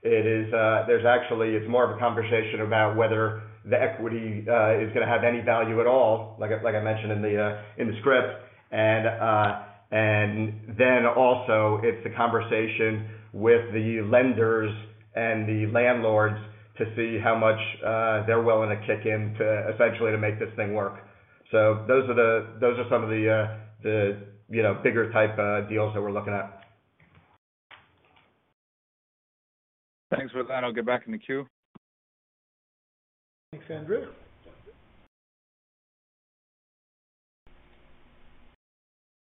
It is, it's more of a conversation about whether the equity is gonna have any value at all, like I mentioned in the script. Also, it's a conversation with the lenders and the landlords to see how much they're willing to kick in to essentially to make this thing work. Those are some of the, you know, bigger type deals that we're looking at. Thanks for that. I'll get back in the queue. Thanks, Andrew.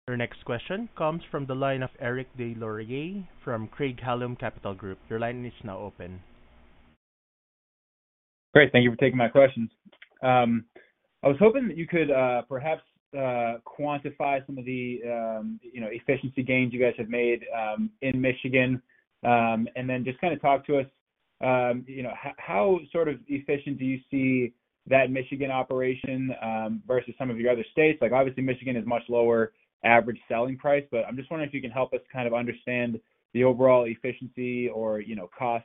Your next question comes from the line of Eric Des Lauriers from Craig-Hallum Capital Group. Your line is now open. Great. Thank you for taking my questions. I was hoping that you could perhaps quantify some of the, you know, efficiency gains you guys have made in Michigan. Then just kind of talk to us, you know, how sort of efficient do you see that Michigan operation versus some of your other states? Like, obviously, Michigan is much lower average selling price, but I'm just wondering if you can help us kind of understand the overall efficiency or, you know, cost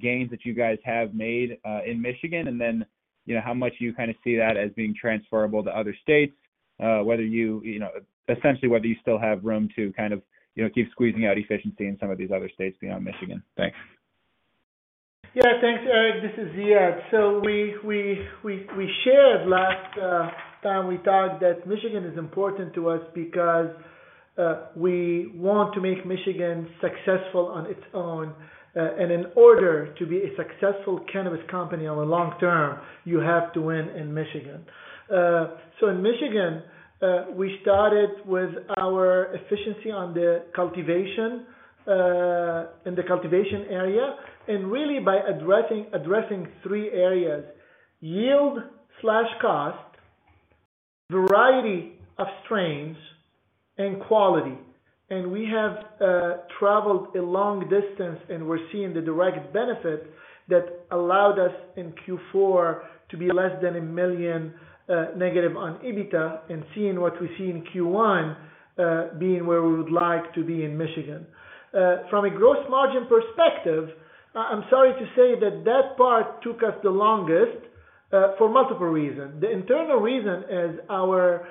gains that you guys have made in Michigan. Then, you know, how much you kind of see that as being transferable to other states, whether you essentially whether you still have room to kind of keep squeezing out efficiency in some of these other states beyond Michigan. Thanks. Thanks, Eric. This is Ziad. We shared last time we talked that Michigan is important to us because we want to make Michigan successful on its own. In order to be a successful cannabis company on the long term, you have to win in Michigan. In Michigan, we started with our efficiency on the cultivation, in the cultivation area, and really by addressing three areas: yield/cost, variety of strains, and quality. We have traveled a long distance, and we're seeing the direct benefit that allowed us in Q4 to be less than $1 million negative on EBITDA and seeing what we see in Q1, being where we would like to be in Michigan. From a gross margin perspective, I'm sorry to say that that part took us the longest, for multiple reasons. The internal reason is our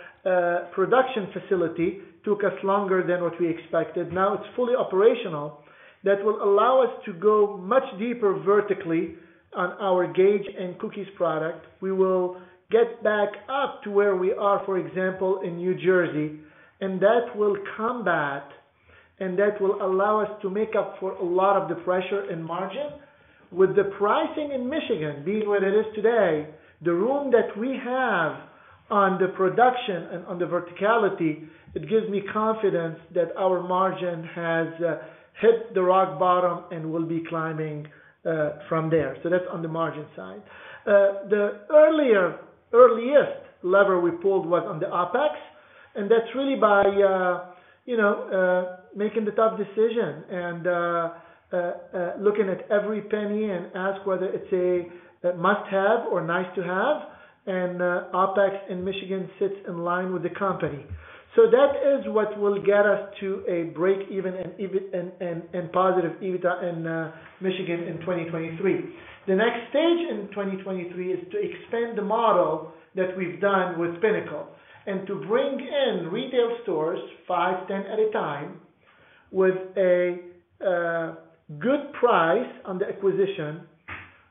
production facility took us longer than what we expected. Now it's fully operational. That will allow us to go much deeper vertically on our Gage and Cookies product. We will get back up to where we are, for example, in New Jersey, and that will combat, and that will allow us to make up for a lot of the pressure in margin. With the pricing in Michigan being what it is today, the room that we have on the production and on the verticality, it gives me confidence that our margin has hit the rock bottom and will be climbing from there. That's on the margin side. The earliest lever we pulled was on the OpEx, and that's really by, you know, making the tough decision and looking at every penny and ask whether it's a must-have or nice to have. OpEx in Michigan sits in line with the company. That is what will get us to a break-even and EBITDA and positive EBITDA in Michigan in 2023. The next stage in 2023 is to expand the model that we've done with Pinnacle and to bring in retail stores, five, 10 at a time, with a good price on the acquisition,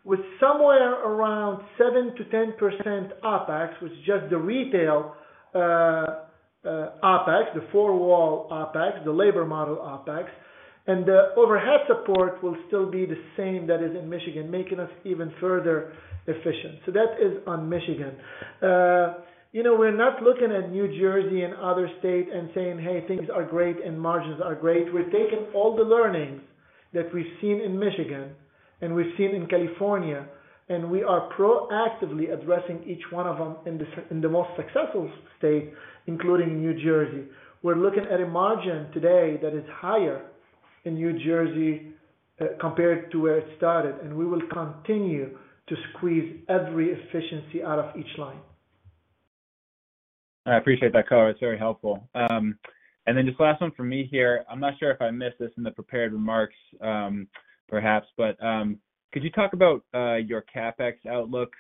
with somewhere around 7%-10% OpEx, which is just the retail OpEx, the four-wall OpEx, the labor model OpEx. The overhead support will still be the same that is in Michigan, making us even further efficient. That is on Michigan. You know, we're not looking at New Jersey and other state and saying, "Hey, things are great and margins are great." We're taking all the learnings that we've seen in Michigan and we've seen in California, and we are proactively addressing each one of them in the most successful state, including New Jersey. We're looking at a margin today that is higher in New Jersey, compared to where it started, and we will continue to squeeze every efficiency out of each line. I appreciate that color. It's very helpful. Just last one from me here. I'm not sure if I missed this in the prepared remarks, perhaps, but could you talk about your CapEx outlook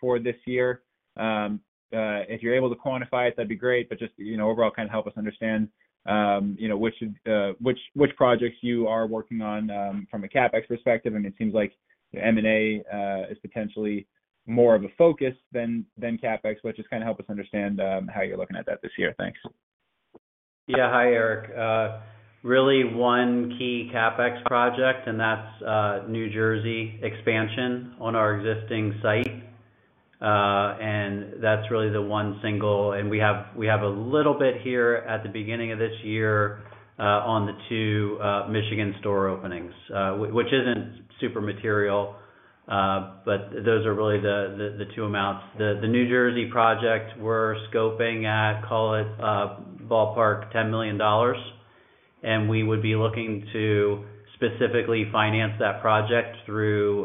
for this year? If you're able to quantify it, that'd be great, but just, you know, overall kind of help us understand, you know, which projects you are working on from a CapEx perspective. I mean, it seems like the M&A is potentially more of a focus than CapEx. Just kind of help us understand how you're looking at that this year. Thanks. Yeah. Hi, Eric. Really one key CapEx project, and that's New Jersey expansion on our existing site. That's really the one single. We have a little bit here at the beginning of this year on the two Michigan store openings, which isn't super material, but those are really the two amounts. The New Jersey project we're scoping at, call it, ballpark $10 million. We would be looking to specifically finance that project through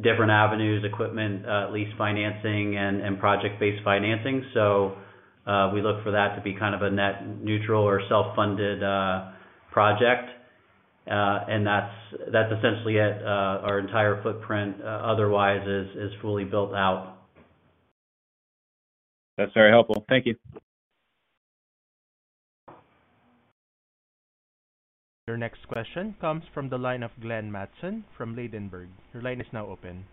different avenues, equipment, lease financing and project-based financing. We look for that to be kind of a net neutral or self-funded project. That's essentially it. Our entire footprint otherwise is fully built out. That's very helpful. Thank you. Your next question comes from the line of Glenn Mattson from Ladenburg Thalmann. Your line is now open.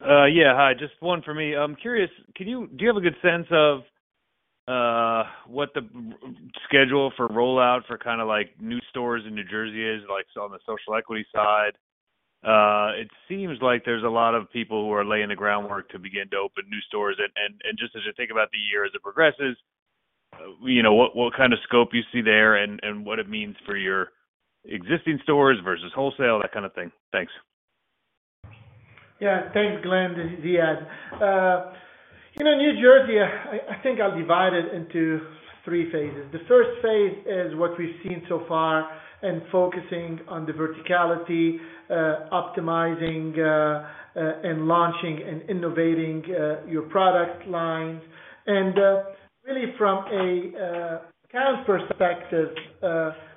Yeah, hi, just one for me. I'm curious, do you have a good sense of what the schedule for rollout for kind of like new stores in New Jersey is like so on the social equity side? It seems like there's a lot of people who are laying the groundwork to begin to open new stores. Just as you think about the year as it progresses, what kind of scope you see there and what it means for your existing stores versus wholesale, that kind of thing. Thanks. Yeah. Thanks, Glenn. Ziad. You know, New Jersey, I think I'll divide it into three phases. The first phase is what we've seen so far and focusing on the verticality, optimizing, and launching and innovating your product lines. Really from a count perspective,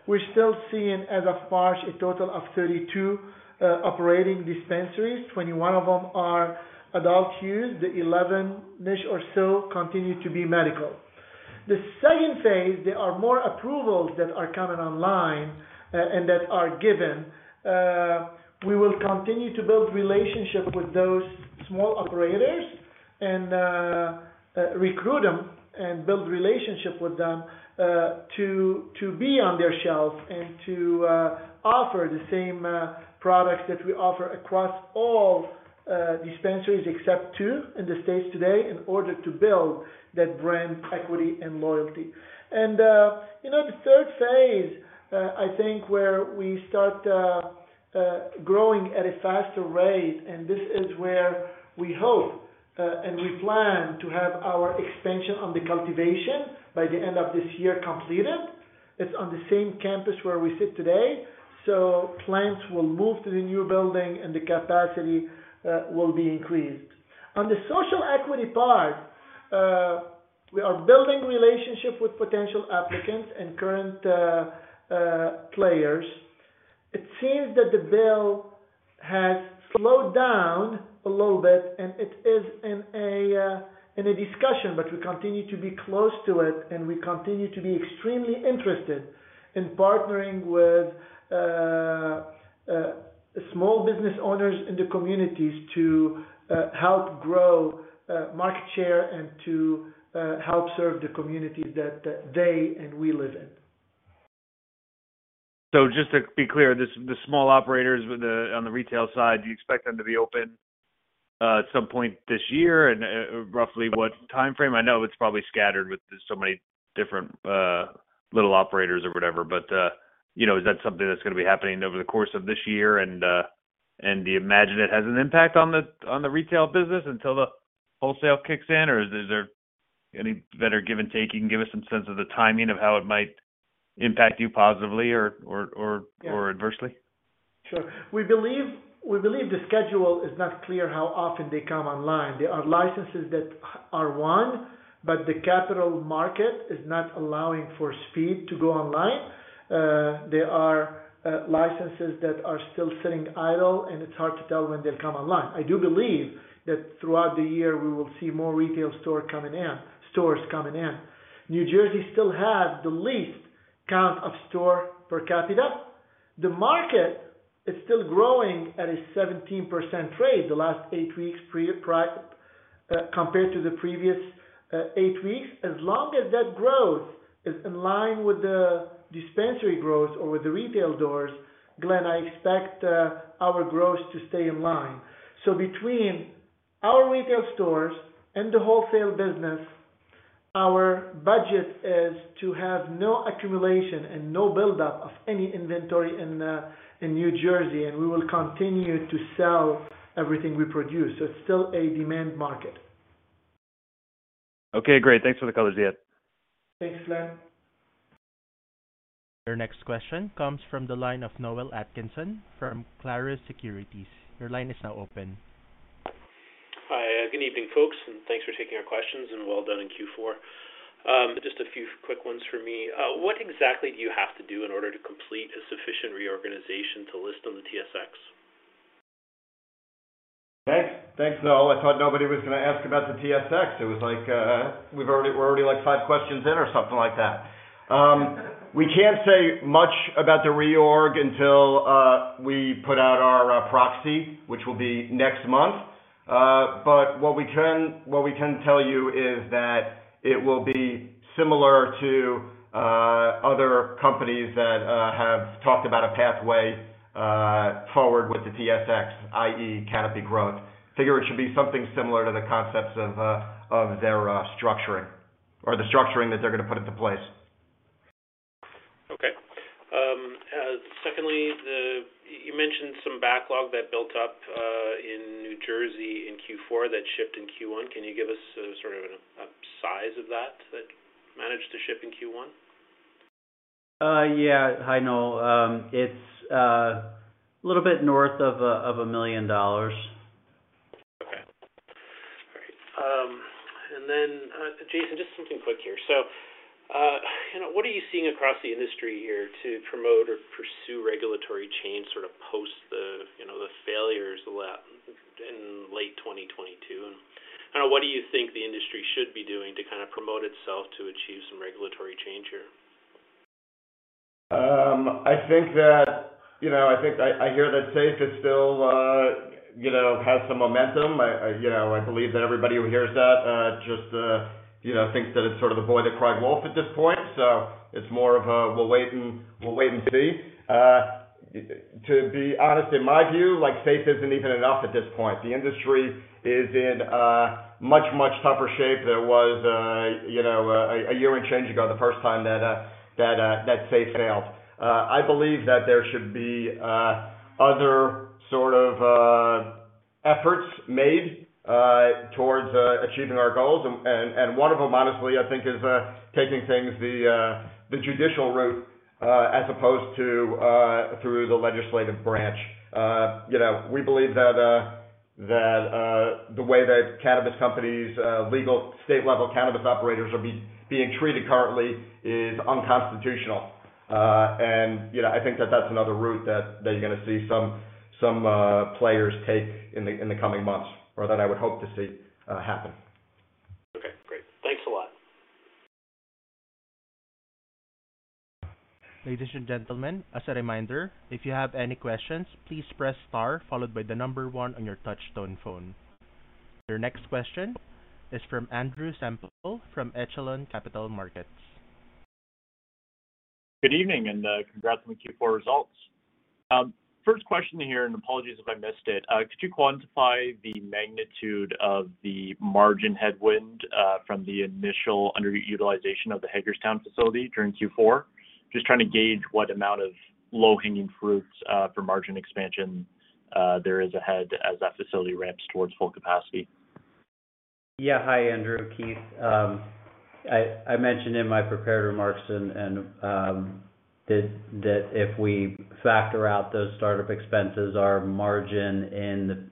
we're still seeing as of March a total of 32 operating dispensaries. 21 of them are adult use. The 11-ish or so continue to be medical. The second phase, there are more approvals that are coming online and that are given. We will continue to build relationships with those small operators and recruit them and build relationship with them, to be on their shelf and to offer the same products that we offer across all dispensaries except two in the States today in order to build that brand equity and loyalty. You know, the third phase, I think where we start growing at a faster rate, and this is where we hope and we plan to have our expansion on the cultivation by the end of this year completed. It's on the same campus where we sit today. Plants will move to the new building and the capacity will be increased. On the social equity part, we are building relationships with potential applicants and current players. It seems that the bill has slowed down a little bit and it is in a discussion, but we continue to be close to it, and we continue to be extremely interested in partnering with small business owners in the communities to help grow market share and to help serve the communities that they and we live in. Just to be clear, the small operators with the, on the retail side, do you expect them to be open at some point this year? Roughly what time frame? I know it's probably scattered with so many different little operators or whatever, you know, is that something that's gonna be happening over the course of this year? Do you imagine it has an impact on the, on the retail business until the wholesale kicks in? Or is there any better give and take? You can give us some sense of the timing of how it might impact you positively or- Yeah. Adversely. Sure. We believe the schedule is not clear how often they come online. There are licenses that are won, but the capital market is not allowing for speed to go online. There are licenses that are still sitting idle, and it's hard to tell when they'll come online. I do believe that throughout the year we will see more retail store coming in, stores coming in. New Jersey still has the least count of store per capita. The market is still growing at a 17% rate the last eight weeks compared to the previous eight weeks. As long as that growth is in line with the dispensary growth or with the retail doors, Glenn, I expect our growth to stay in line. Between our retail stores and the wholesale business, our budget is to have no accumulation and no buildup of any inventory in New Jersey, and we will continue to sell everything we produce. It's still a demand market. Okay, great. Thanks for the color, Ziad. Thanks, Glenn. Your next question comes from the line of Noel Atkinson from Clarus Securities. Your line is now open. Hi, good evening, folks, thanks for taking our questions and well done in Q4. Just a few quick ones for me. What exactly do you have to do in order to complete a sufficient reorganization to list on the TSX? Thanks. Thanks, Noel. I thought nobody was gonna ask about the TSX. It was like, we're already like five questions in or something like that. We can't say much about the reorg until we put out our proxy, which will be next month. What we can tell you is that it will be similar to other companies that have talked about a pathway forward with the TSX, i.e., Canopy Growth. Figure it should be something similar to the concepts of their structuring or the structuring that they're gonna put into place. Okay. Secondly, you mentioned some backlog that built up in New Jersey in Q4 that shipped in Q1. Can you give us sort of a size of that managed to ship in Q1? Yeah. Hi, Noel. It's a little bit north of $1 million. Okay. All right. Jason, just something quick here. You know, what are you seeing across the industry here to promote or pursue regulatory change, sort of post the, you know, the failures in late 2022? Kind of what do you think the industry should be doing to kind of promote itself to achieve some regulatory change here? I think that, you know, I think I hear that SAFE is still, you know, has some momentum. I, you know, I believe that everybody who hears that, just, you know, thinks that it's sort of the boy that cried wolf at this point. It's more of a we'll wait and see. To be honest, in my view, like SAFE isn't even enough at this point. The industry is in a much, much tougher shape than it was, you know, a year and change ago, the first time that SAFE failed. I believe that there should be other sort of efforts made towards achieving our goals. One of them, honestly, I think is taking things the judicial route as opposed to through the legislative branch. You know, we believe that the way that cannabis companies, legal state-level cannabis operators are being treated currently is unconstitutional. You know, I think that that's another route that you're gonna see some players take in the coming months or that I would hope to see happen. Okay, great. Thanks a lot. Ladies and gentlemen, as a reminder, if you have any questions, please press star followed by the number one on your touch tone phone. Your next question is from Andrew Semple from Echelon Capital Markets. Good evening, and congrats on the Q4 results. First question here, and apologies if I missed it. Could you quantify the magnitude of the margin headwind from the initial underutilization of the Hagerstown facility during Q4? Just trying to gauge what amount of low-hanging fruits for margin expansion there is ahead as that facility ramps towards full capacity. Yeah. Hi, Andrew. Keith. I mentioned in my prepared remarks and that if we factor out those start-up expenses, our margin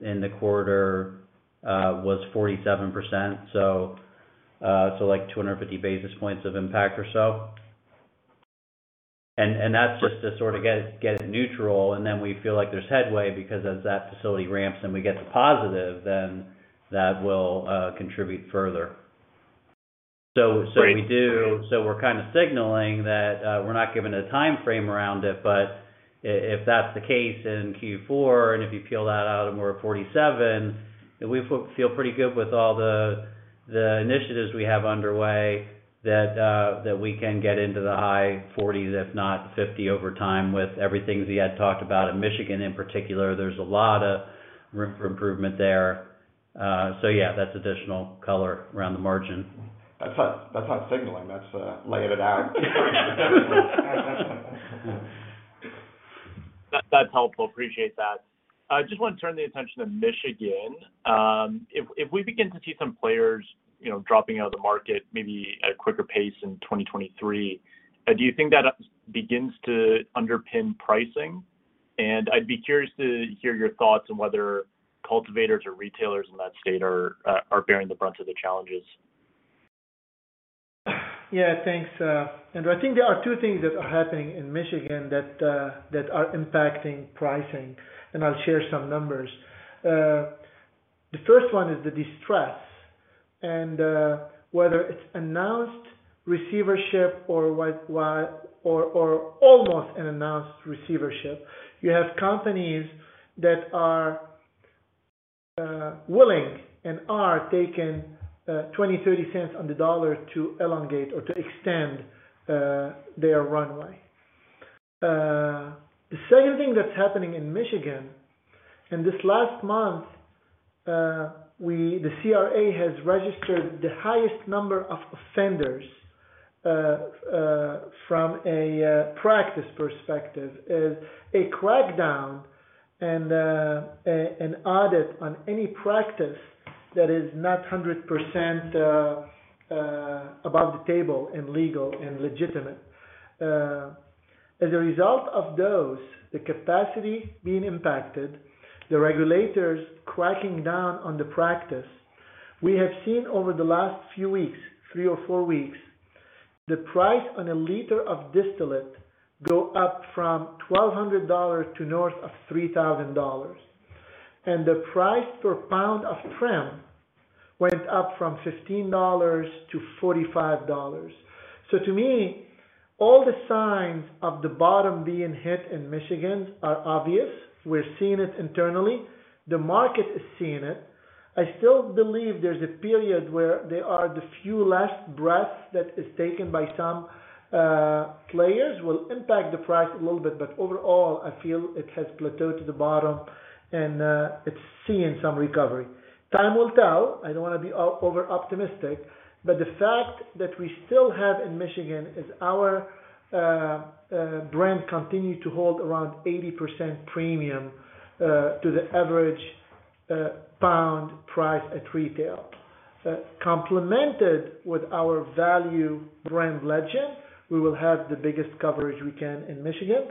in the quarter was 47%, so like 250 basis points of impact or so. That's just to sort of get it neutral, and then we feel like there's headway because as that facility ramps and we get to positive, then that will contribute further. Great. We're kind of signaling that, we're not giving a timeframe around it, but if that's the case in Q4, and if you peel that out and we're at 47%, we feel pretty good with all the initiatives we have underway that we can get into the high 40s, if not 50% over time with everything Ziad talked about. In Michigan, in particular, there's a lot of room for improvement there. Yeah, that's additional color around the margin. That's not signaling. That's laying it out. That's helpful. Appreciate that. I just want to turn the attention to Michigan. If we begin to see some players, you know, dropping out of the market maybe at a quicker pace in 2023, do you think that begins to underpin pricing? I'd be curious to hear your thoughts on whether cultivators or retailers in that state are bearing the brunt of the challenges. Thanks, Andrew. I think there are two things that are happening in Michigan that are impacting pricing. I'll share some numbers. The first one is the distress, and whether it's announced receivership or almost an announced receivership. You have companies that are willing and are taking $0.20, $0.30 on the dollar to elongate or to extend their runway. The second thing that's happening in Michigan, and this last month, the CRA has registered the highest number of offenders from a practice perspective, is a crackdown and an audit on any practice that is not 100% above the table and legal and legitimate. As a result of those, the capacity being impacted, the regulators cracking down on the practice. We have seen over the last few weeks, three or four weeks, the price on a liter of distillate go up from $1,200 to north of $3,000. The price per pound of trim went up from $15 to $45. To me, all the signs of the bottom being hit in Michigan are obvious. We're seeing it internally. The market is seeing it. I still believe there's a period where there are the few last breaths that is taken by some players will impact the price a little bit, but overall, I feel it has plateaued to the bottom and it's seeing some recovery. Time will tell. I don't want to be over optimistic, but the fact that we still have in Michigan is our brand continued to hold around 80% premium to the average pound price at retail. Complemented with our value brand Legend, we will have the biggest coverage we can in Michigan.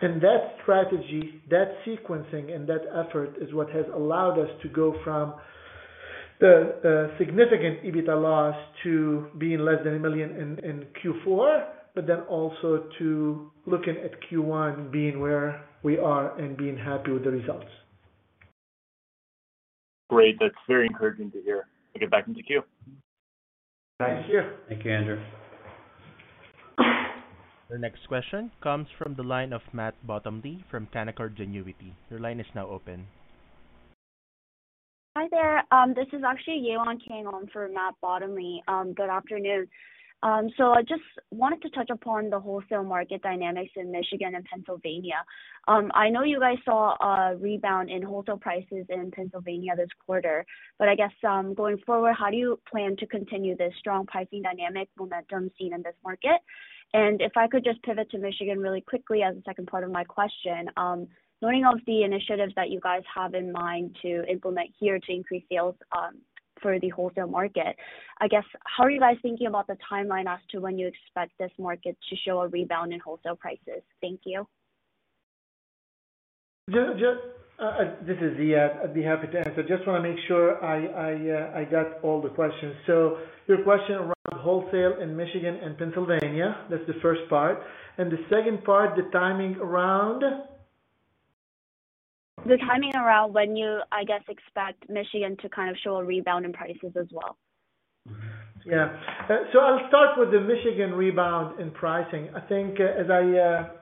That strategy, that sequencing and that effort is what has allowed us to go from the significant EBITDA loss to being less than $1 million in Q4, also to looking at Q1 being where we are and being happy with the results. Great. That's very encouraging to hear. I'll get back into queue. Thank you. Thank you, Andrew. The next question comes from the line of Matt Bottomley from Canaccord Genuity. Your line is now open. Hi there. This is actually Yewon Kang on for Matt Bottomley. Good afternoon. I just wanted to touch upon the wholesale market dynamics in Michigan and Pennsylvania. I know you guys saw a rebound in wholesale prices in Pennsylvania this quarter, but I guess, going forward, how do you plan to continue this strong pricing dynamic momentum seen in this market? If I could just pivot to Michigan really quickly as the second part of my question, knowing of the initiatives that you guys have in mind to implement here to increase sales, for the wholesale market, I guess how are you guys thinking about the timeline as to when you expect this market to show a rebound in wholesale prices? Thank you. This is Ziad. I'd be happy to answer. Just wanna make sure I got all the questions. Your question around wholesale in Michigan and Pennsylvania, that's the first part. The second part, the timing around? The timing around when you, I guess, expect Michigan to kind of show a rebound in prices as well? I'll start with the Michigan rebound in pricing. I think, as I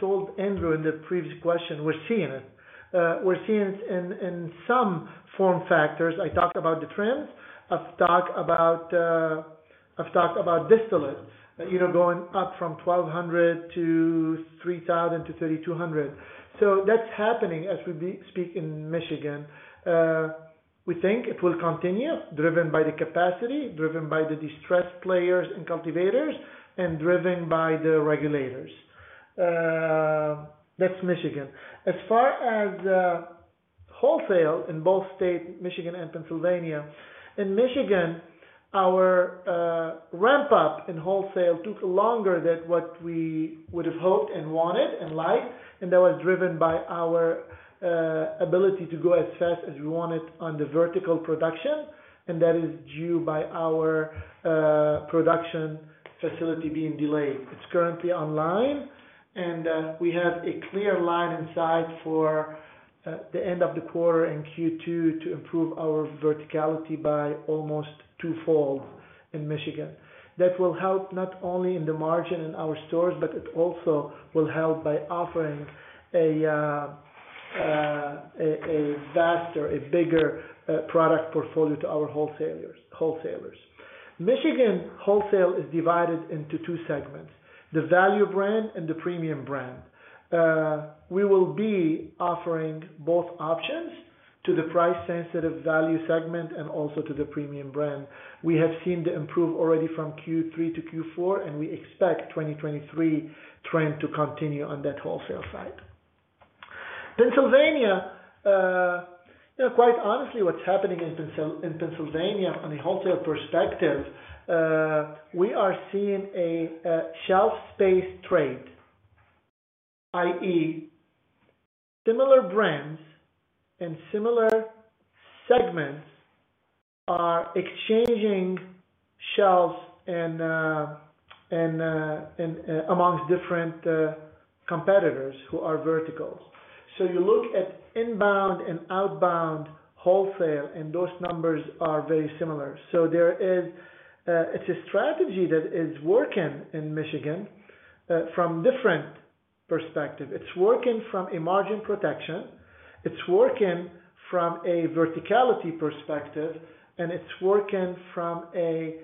told Andrew in the previous question, we're seeing it. We're seeing it in some form factors. I talked about the trends. I've talked about distillate, you know, going up from $1,200 to $3,000 to $3,200. That's happening as we speak in Michigan. We think it will continue, driven by the capacity, driven by the distressed players and cultivators, and driven by the regulators. That's Michigan. As far as wholesale in both state Michigan and Pennsylvania, in Michigan, our ramp-up in wholesale took longer than what we would have hoped and wanted and liked, and that was driven by our ability to go as fast as we wanted on the vertical production, and that is due by our production facility being delayed. It's currently online, and we have a clear line in sight for the end of the quarter in Q2 to improve our verticality by almost twofold in Michigan. That will help not only in the margin in our stores, but it also will help by offering a vaster, a bigger product portfolio to our wholesalers. Michigan wholesale is divided into two segments: the value brand and the premium brand. We will be offering both options to the price-sensitive value segment and also to the premium brand. We have seen the improve already from Q3 to Q4, and we expect 2023 trend to continue on that wholesale side. Pennsylvania, you know, quite honestly, what's happening in Pennsylvania from a wholesale perspective, we are seeing a shelf space trade, i.e., similar brands and similar segments are exchanging shelves amongst different competitors who are verticals. You look at inbound and outbound wholesale, and those numbers are very similar. It's a strategy that is working in Michigan from different perspective. It's working from a margin protection, it's working from a verticality perspective, and it's working from a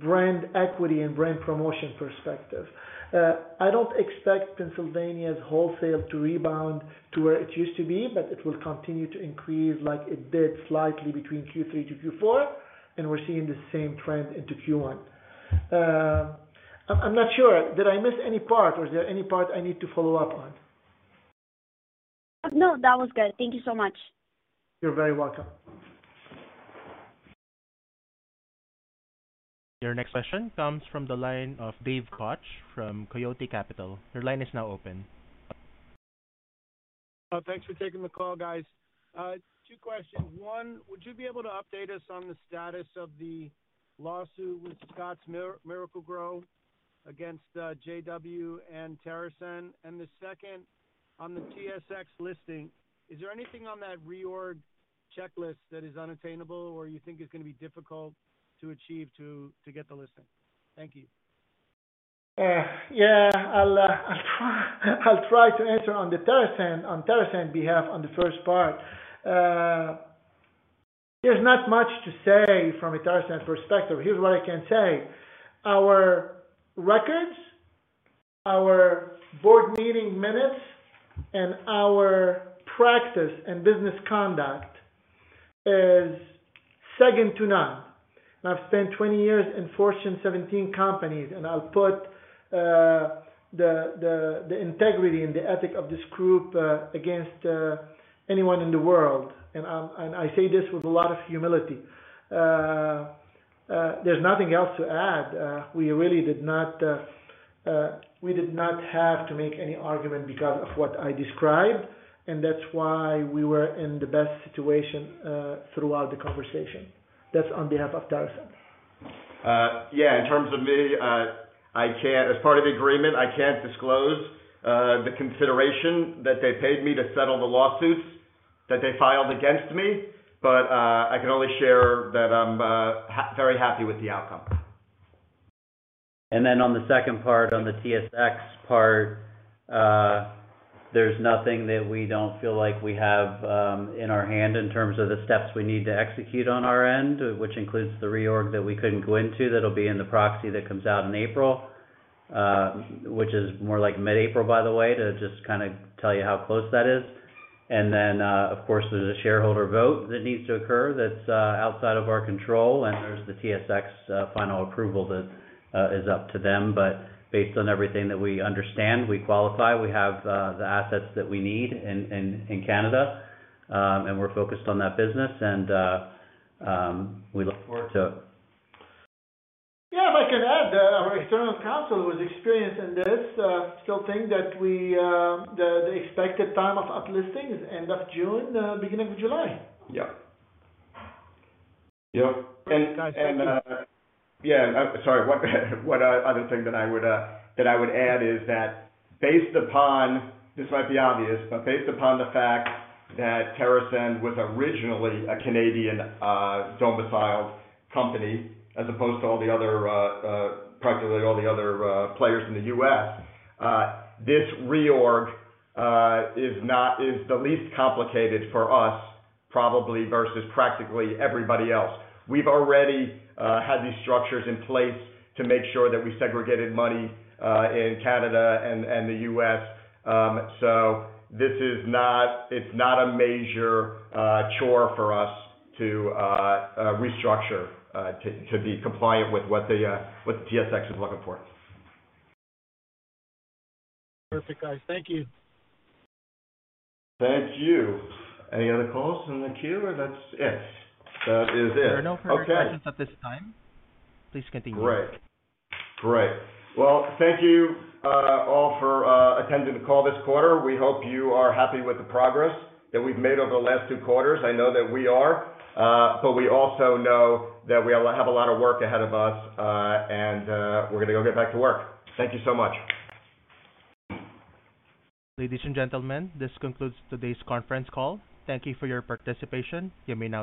brand equity and brand promotion perspective. I don't expect Pennsylvania's wholesale to rebound to where it used to be, but it will continue to increase like it did slightly between Q3 to Q4, and we're seeing the same trend into Q1. I'm not sure. Did I miss any part, or is there any part I need to follow up on? No, that was good. Thank you so much. You're very welcome. Your next question comes from the line of Dave Koch from Koyote Capital. Your line is now open. Thanks for taking the call, guys. Two questions. One, would you be able to update us on the status of the lawsuit with Scotts Miracle-Gro against JW and TerrAscend? The second, on the TSX listing, is there anything on that reorg checklist that is unattainable or you think is gonna be difficult to achieve to get the listing? Thank you. Yeah. I'll try to answer on TerrAscend behalf on the first part. There's not much to say from a TerrAscend perspective. Here's what I can say. Our records, our board meeting minutes, and our practice and business conduct is second to none. I've spent 20 years in Fortune 17 companies, and I'll put the integrity and the ethic of this group against anyone in the world. I say this with a lot of humility. There's nothing else to add. We really did not have to make any argument because of what I described, and that's why we were in the best situation throughout the conversation. That's on behalf of TerrAscend. Yeah, in terms of me, as part of the agreement, I can't disclose the consideration that they paid me to settle the lawsuits that they filed against me. I can only share that I'm very happy with the outcome. On the second part, on the TSX part, there's nothing that we don't feel like we have in our hand in terms of the steps we need to execute on our end, which includes the reorg that we couldn't go into that'll be in the proxy that comes out in April, which is more like mid-April, by the way, to just kinda tell you how close that is. Of course, there's a shareholder vote that needs to occur that's outside of our control, and there's the TSX final approval that is up to them. Based on everything that we understand, we qualify. We have the assets that we need in Canada, and we're focused on that business and we look forward to... Yeah, if I can add, our external counsel who has experience in this still think that the expected time of uplisting is end of June, beginning of July. Yeah. Yep. Sorry, one other thing that I would add is that based upon... This might be obvious, but based upon the fact that TerrAscend was originally a Canadian domiciled company, as opposed to all the other, practically all the other players in the U.S., this reorg is not the least complicated for us, probably versus practically everybody else. We've already had these structures in place to make sure that we segregated money in Canada and the U.S. This is not a major chore for us to restructure to be compliant with what the TSX is looking for. Perfect, guys. Thank you. Thank you. Any other calls in the queue, or that's it? That is it. Okay. There are no further questions at this time. Please continue. Great. Great. Well, thank you, all for attending the call this quarter. We hope you are happy with the progress that we've made over the last two quarters. I know that we are. We also know that we all have a lot of work ahead of us, and we're gonna go get back to work. Thank you so much. Ladies and gentlemen, this concludes today's conference call. Thank you for your participation. You may now disconnect.